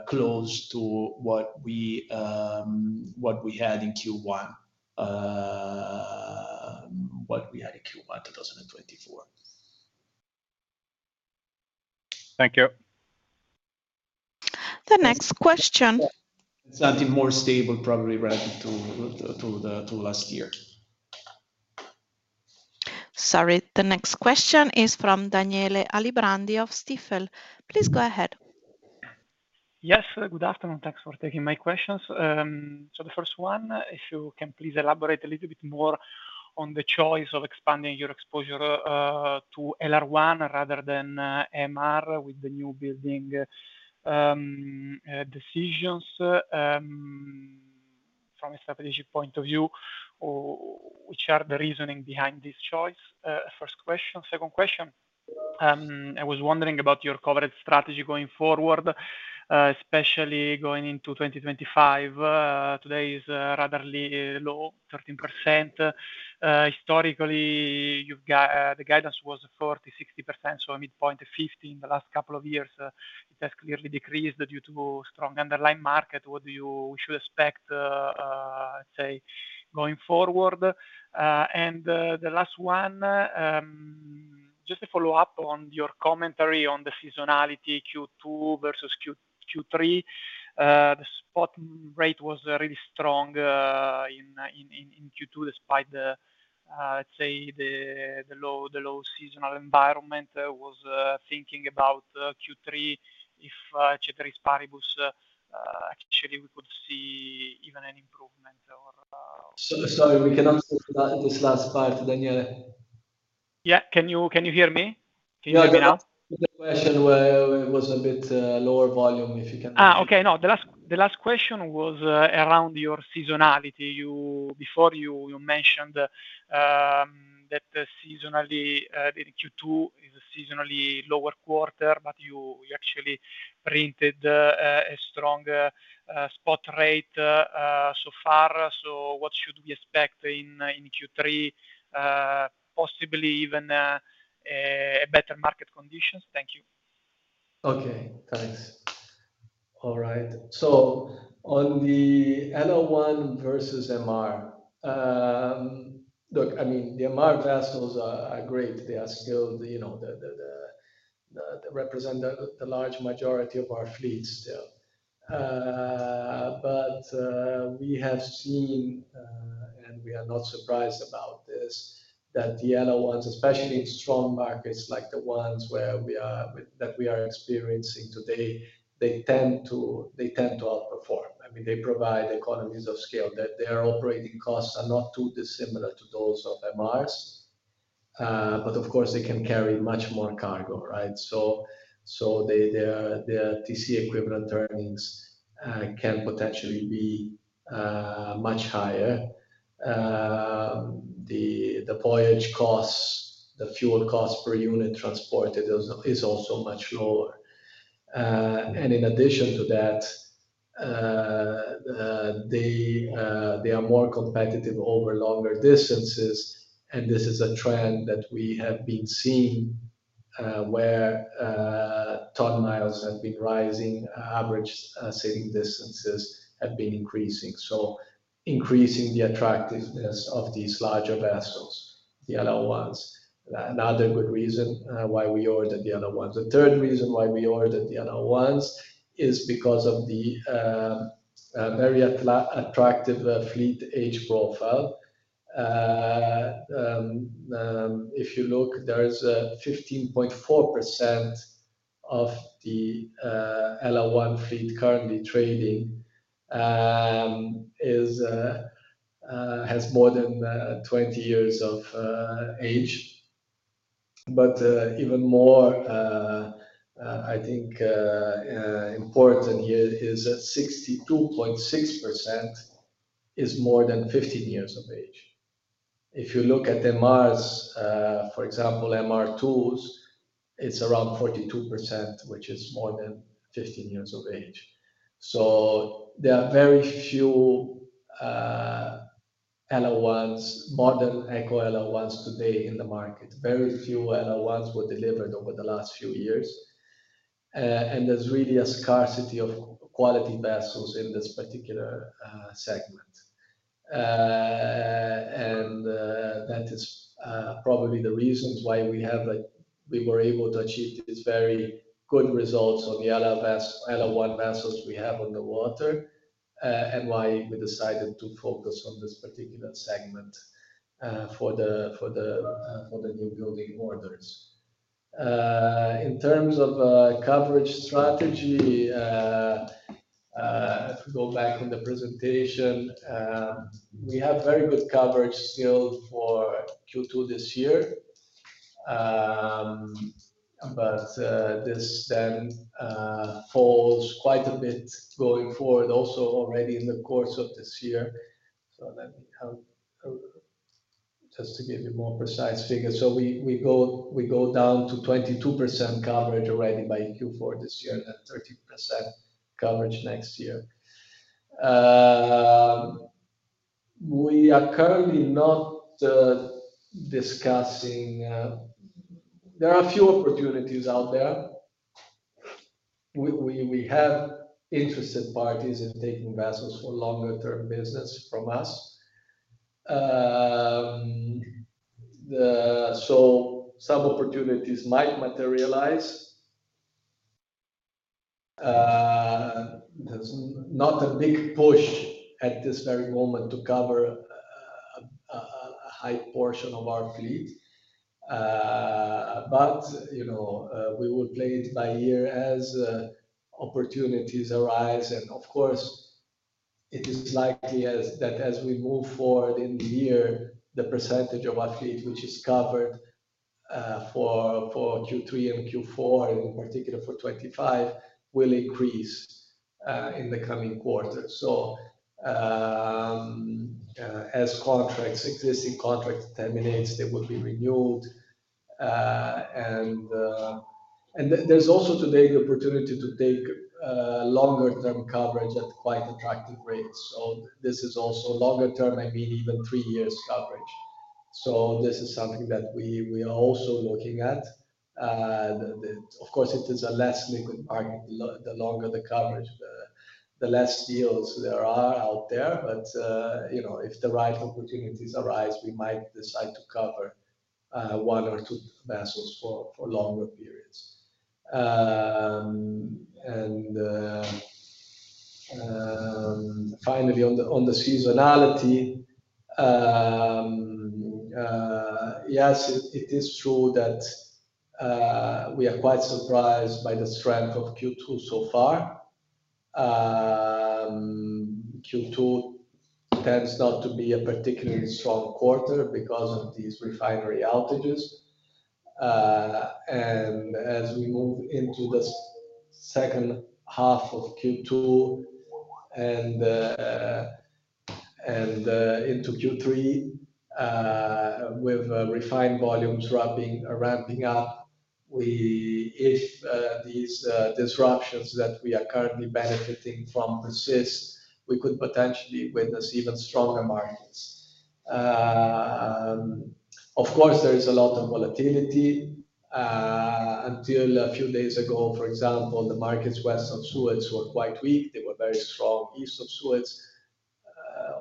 close to what we had in Q1, what we had in Q1 2024.
Thank you.
The next question.
Something more stable, probably, relative to last year.
Sorry. The next question is from Daniele Alibrandi of Stifel. Please go ahead.
Yes. Good afternoon. Thanks for taking my questions. So the first one, if you can please elaborate a little bit more on the choice of expanding your exposure to LR1 rather than MR with the newbuilding decisions from a strategic point of view, which are the reasoning behind this choice. First question. Second question. I was wondering about your coverage strategy going forward, especially going into 2025. Today is rather low, 13%. Historically, the guidance was 40%-60%, so a midpoint of 50% in the last couple of years. It has clearly decreased due to strong underlying market. What should we expect, let's say, going forward? And the last one, just a follow-up on your commentary on the seasonality Q2 versus Q3. The spot rate was really strong in Q2, despite the, let's say, the low seasonal environment. I was thinking about Q3, if Ceteris Paribus, actually, we could see even an improvement or.
Sorry, we cannot speak to this last part, Daniele.
Yeah. Can you hear me? Can you hear me now?
Yeah. The question was a bit lower volume, if you can.
Okay. No, the last question was around your seasonality. Before, you mentioned that Q2 is a seasonally lower quarter, but you actually printed a strong spot rate so far. So what should we expect in Q3, possibly even better market conditions? Thank you.
Okay. Thanks. All right. So on the LR1 versus MR, look, I mean, the MR vessels are great. They still represent the large majority of our fleet still. But we have seen, and we are not surprised about this, that the LR1s, especially in strong markets like the ones that we are experiencing today, they tend to outperform. I mean, they provide economies of scale. Their operating costs are not too dissimilar to those of MRs. But of course, they can carry much more cargo, right? So their TC equivalent earnings can potentially be much higher. The voyage costs, the fuel cost per unit transported is also much lower. And in addition to that, they are more competitive over longer distances. And this is a trend that we have been seeing where ton-miles have been rising, average sailing distances have been increasing, so increasing the attractiveness of these larger vessels, the LR1s. Another good reason why we ordered the LR1s is because of the very attractive fleet age profile. If you look, there is 15.4% of the LR1 fleet currently trading has more than 20 years of age. But even more, I think, important here is that 62.6% is more than 15 years of age. If you look at MRs, for example, MR2s, it's around 42%, which is more than 15 years of age. So there are very few LR1s, modern Eco-LR1s today in the market, very few LR1s were delivered over the last few years. There's really a scarcity of quality vessels in this particular segment. That is probably the reasons why we were able to achieve these very good results on the LR1 vessels we have on the water and why we decided to focus on this particular segment for the new building orders. In terms of coverage strategy, if we go back on the presentation, we have very good coverage still for Q2 this year. But this then falls quite a bit going forward, also already in the course of this year. So let me just to give you more precise figures. So we go down to 22% coverage already by Q4 this year and then 30% coverage next year. We are currently not discussing. There are a few opportunities out there. We have interested parties in taking vessels for longer-term business from us. So some opportunities might materialize. There's not a big push at this very moment to cover a high portion of our fleet. But we will play it by year as opportunities arise. And of course, it is likely that as we move forward in the year, the percentage of our fleet which is covered for Q3 and Q4, in particular for 2025, will increase in the coming quarter. So as existing contracts terminate, they will be renewed. And there's also today the opportunity to take longer-term coverage at quite attractive rates. So this is also longer-term, I mean, even three-years coverage. So this is something that we are also looking at. Of course, it is a less liquid market. The longer the coverage, the less deals there are out there. But if the right opportunities arise, we might decide to cover one or two vessels for longer periods. And finally, on the seasonality, yes, it is true that we are quite surprised by the strength of Q2 so far. Q2 tends not to be a particularly strong quarter because of these refinery outages. And as we move into the second half of Q2 and into Q3, with refined volumes ramping up, if these disruptions that we are currently benefiting from persist, we could potentially witness even stronger markets. Of course, there is a lot of volatility. Until a few days ago, for example, the markets west of Suez were quite weak. They were very strong east of Suez.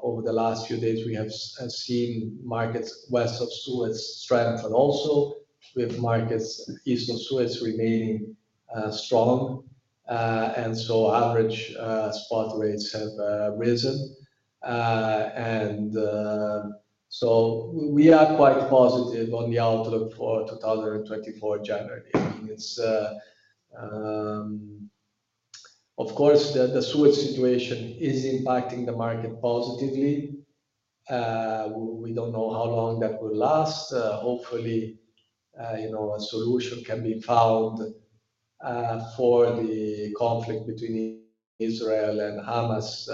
Over the last few days, we have seen markets west of Suez strengthen also, with markets east of Suez remaining strong. And so average spot rates have risen. And so we are quite positive on the outlook for 2024, generally. I mean, of course, the Suez situation is impacting the market positively. We don't know how long that will last. Hopefully, a solution can be found for the conflict between Israel and Hamas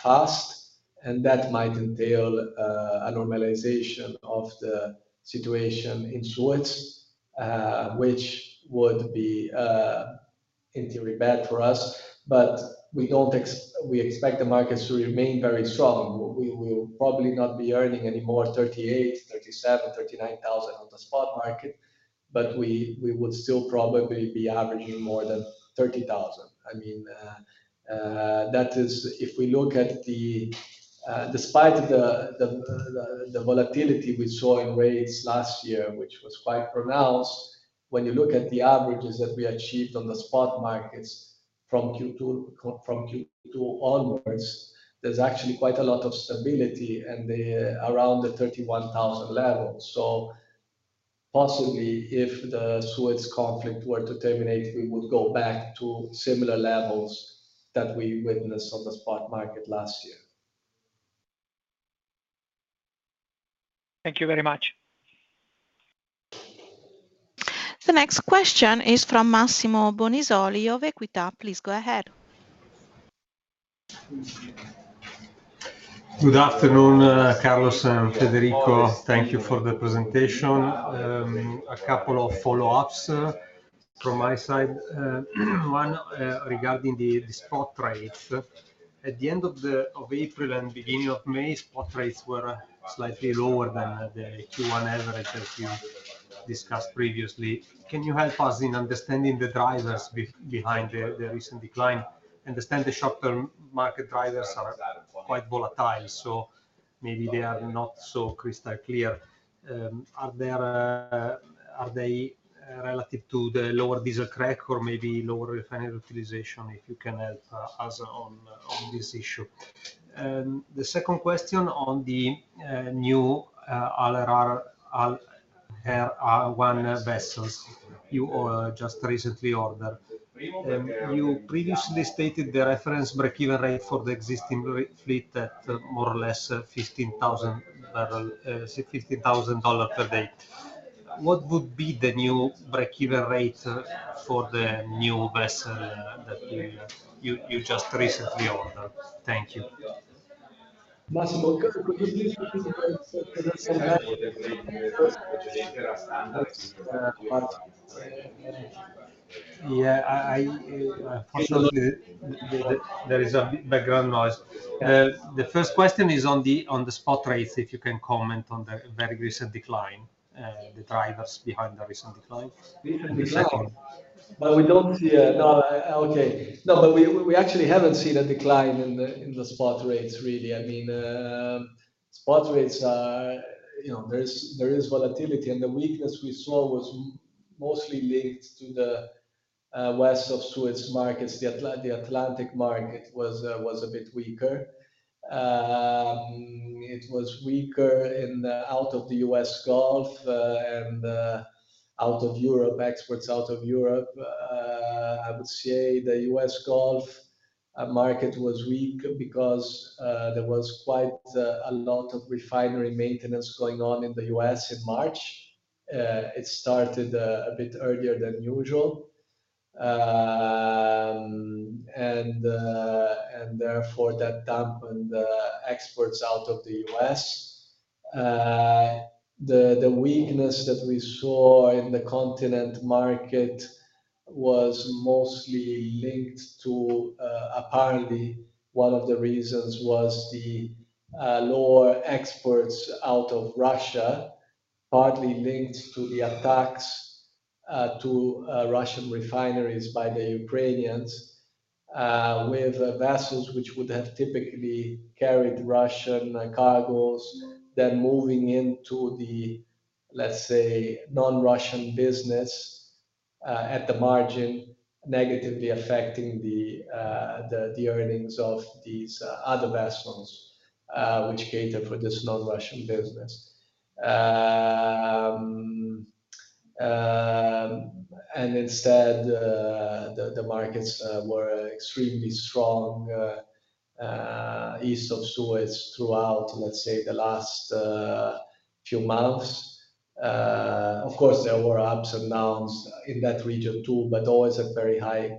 fast. And that might entail a normalization of the situation in Suez, which would be, in theory, bad for us. But we expect the markets to remain very strong. We will probably not be earning anymore $38,000, $37,000, $39,000 on the spot market. But we would still probably be averaging more than $30,000. I mean, if we look at despite the volatility we saw in rates last year, which was quite pronounced, when you look at the averages that we achieved on the spot markets from Q2 onwards, there's actually quite a lot of stability around the 31,000 level. So possibly, if the Suez conflict were to terminate, we would go back to similar levels that we witnessed on the spot market last year.
Thank you very much.
The next question is from Massimo Bonisoli of Equita. Please go ahead.
Good afternoon, Carlos and Federico. Thank you for the presentation. A couple of follow-ups from my side. One, regarding the spot rates. At the end of April and beginning of May, spot rates were slightly lower than the Q1 average, as we discussed previously. Can you help us in understanding the drivers behind the recent decline? Understand the short-term market drivers are quite volatile, so maybe they are not so crystal clear. Are they relative to the lower diesel crack or maybe lower refinery utilization, if you can help us on this issue? The second question on the new LR1 vessels you just recently ordered. You previously stated the reference break-even rate for the existing fleet at more or less $15,000 per day. What would be the new break-even rate for the new vessel that you just recently ordered? Thank you.
Massimo, could you please speak to the first question?
Yeah. Unfortunately, there is a bit of background noise. The first question is on the spot rates, if you can comment on the very recent decline, the drivers behind the recent decline. Recent decline?
But we don't see a no, okay. No, but we actually haven't seen a decline in the spot rates, really. I mean, spot rates are there is volatility. The weakness we saw was mostly linked to the west of Suez markets. The Atlantic market was a bit weaker. It was weaker out of the U.S. Gulf and out of Europe, exports out of Europe. I would say the U.S. Gulf market was weak because there was quite a lot of refinery maintenance going on in the U.S. in March. It started a bit earlier than usual. Therefore, that dampened exports out of the U.S. The weakness that we saw in the Continent market was mostly linked to, apparently, one of the reasons was the lower exports out of Russia, partly linked to the attacks to Russian refineries by the Ukrainians with vessels which would have typically carried Russian cargoes, then moving into the, let's say, non-Russian business at the margin, negatively affecting the earnings of these other vessels which cater for this non-Russian business. And instead, the markets were extremely strong east of Suez throughout, let's say, the last few months. Of course, there were ups and downs in that region too, but always at very high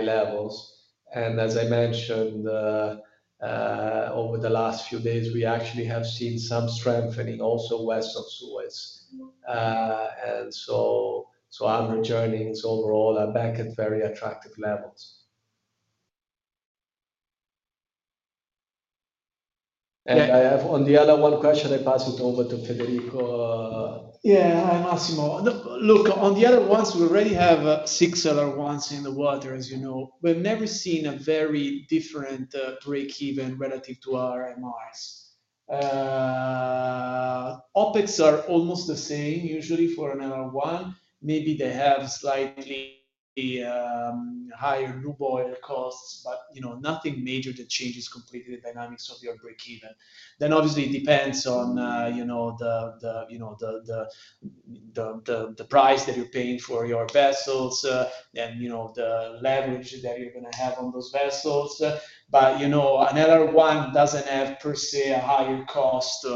levels. And as I mentioned, over the last few days, we actually have seen some strengthening also west of Suez. And so average earnings overall are back at very attractive levels. And on the LR1 question, I pass it over to Federico.
Yeah. Hi, Massimo. Look, on the LR1s, we already have six LR1s in the water, as you know. We've never seen a very different break-even relative to our MRs. OpEx are almost the same, usually, for an LR1. Maybe they have slightly higher new boiler costs, but nothing major that changes completely the dynamics of your break-even. Then obviously, it depends on the price that you're paying for your vessels and the leverage that you're going to have on those vessels. But an LR1 doesn't have, per se, a higher cost.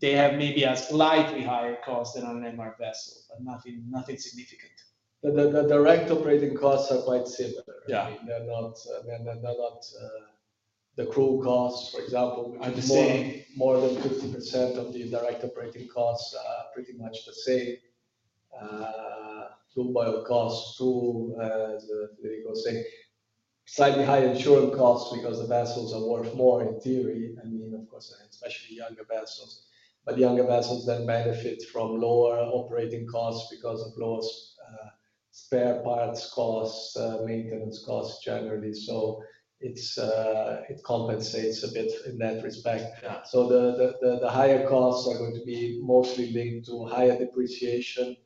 They have maybe a slightly higher cost than an MR vessel, but nothing significant.
The direct operating costs are quite similar?
Yeah. I mean, they're not, the crew costs, for example, which are the same. More than 50% of the direct operating costs are pretty much the same. New boiler costs too, as Federico was saying. Slightly higher insurance costs because the vessels are worth more in theory. I mean, of course, especially younger vessels. But younger vessels then benefit from lower operating costs because of lower spare parts costs, maintenance costs, generally. So it compensates a bit in that respect. So the higher costs are going to be mostly linked to higher depreciation,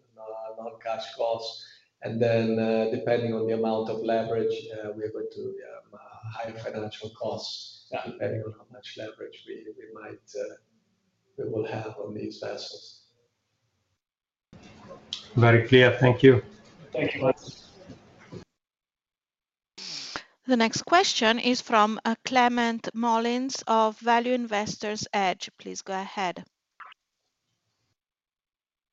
non-cash costs. And then depending on the amount of leverage, we are going to have higher financial costs depending on how much leverage we will have on these vessels.
Very clear. Thank you.
Thank you, Massimo.
The next question is from Climent Molins of Value Investor's Edge. Please go ahead.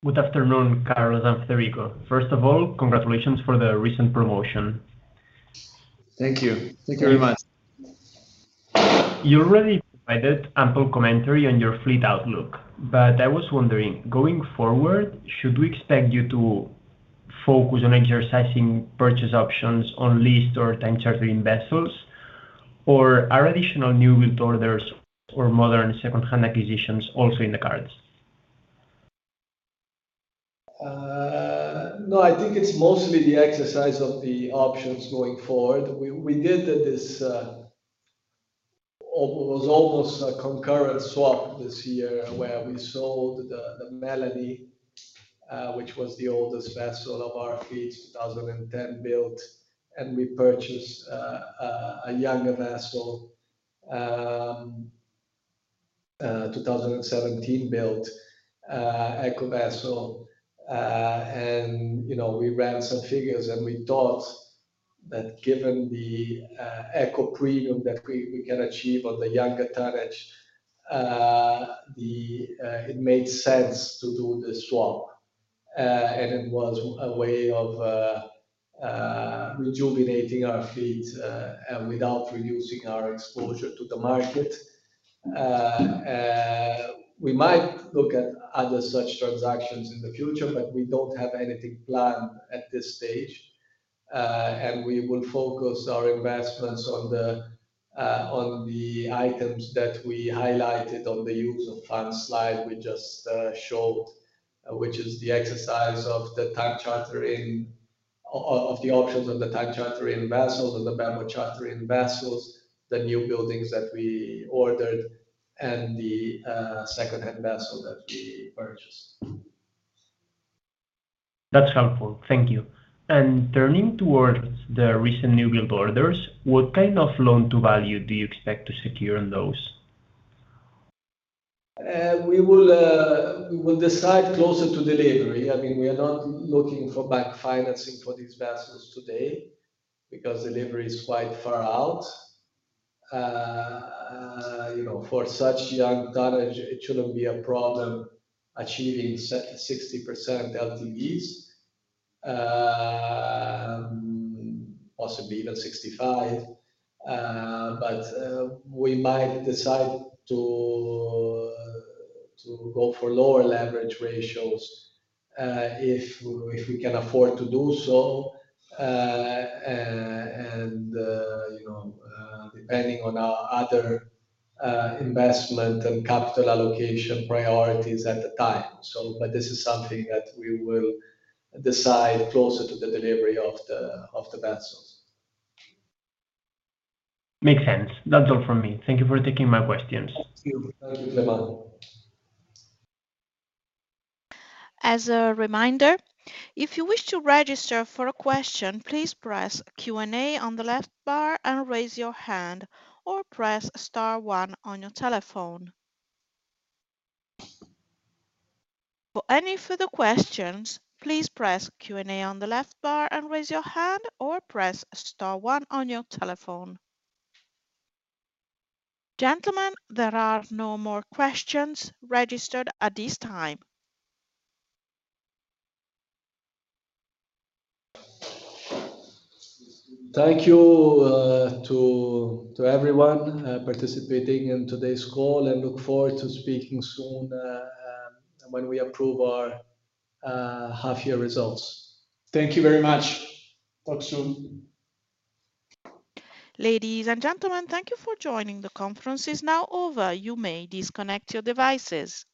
Good afternoon, Carlos and Federico. First of all, congratulations for the recent promotion.
Thank you. Thank you very much.
You already provided ample commentary on your fleet outlook. But I was wondering, going forward, should we expect you to focus on exercising purchase options on leased or time-chartering vessels, or are additional new build orders or modern second-hand acquisitions also in the cards?
No, I think it's mostly the exercise of the options going forward. We did this; it was almost a concurrent swap this year where we sold the Melanie, which was the oldest vessel of our fleet, 2010-built. And we purchased a younger vessel, 2017-built Eco vessel. And we ran some figures. And we thought that given the Eco premium that we can achieve on the younger tonnage, it made sense to do the swap. And it was a way of rejuvenating our fleet without reducing our exposure to the market. We might look at other such transactions in the future, but we don't have anything planned at this stage. And we will focus our investments on the items that we highlighted on the use of funds slide we just showed, which is the exercise of the time-chartering of the options on the time-chartering vessels, on the bareboat chartering vessels, the new buildings that we ordered, and the second-hand vessel that we purchased.
That's helpful. Thank you. And turning towards the recent newbuild orders, what kind of loan-to-value do you expect to secure on those?
We will decide closer to delivery. I mean, we are not looking for bank financing for these vessels today because delivery is quite far out. For such young tonnage, it shouldn't be a problem achieving 60% LTVs, possibly even 65%. But we might decide to go for lower leverage ratios if we can afford to do so. And depending on our other investment and capital allocation priorities at the time. But this is something that we will decide closer to the delivery of the vessels.
Makes sense. That's all from me. Thank you for taking my questions.
Thank you. Thank you, Climent.
As a reminder, if you wish to register for a question, please press Q&A on the left bar and raise your hand, or press star one on your telephone. For any further questions, please press Q&A on the left bar and raise your hand, or press star one on your telephone. Gentlemen, there are no more questions registered at this time.
Thank you to everyone participating in today's call. Look forward to speaking soon when we approve our half-year results. Thank you very much. Talk soon.
Ladies and gentlemen, thank you for joining. The conference is now over. You may disconnect your devices.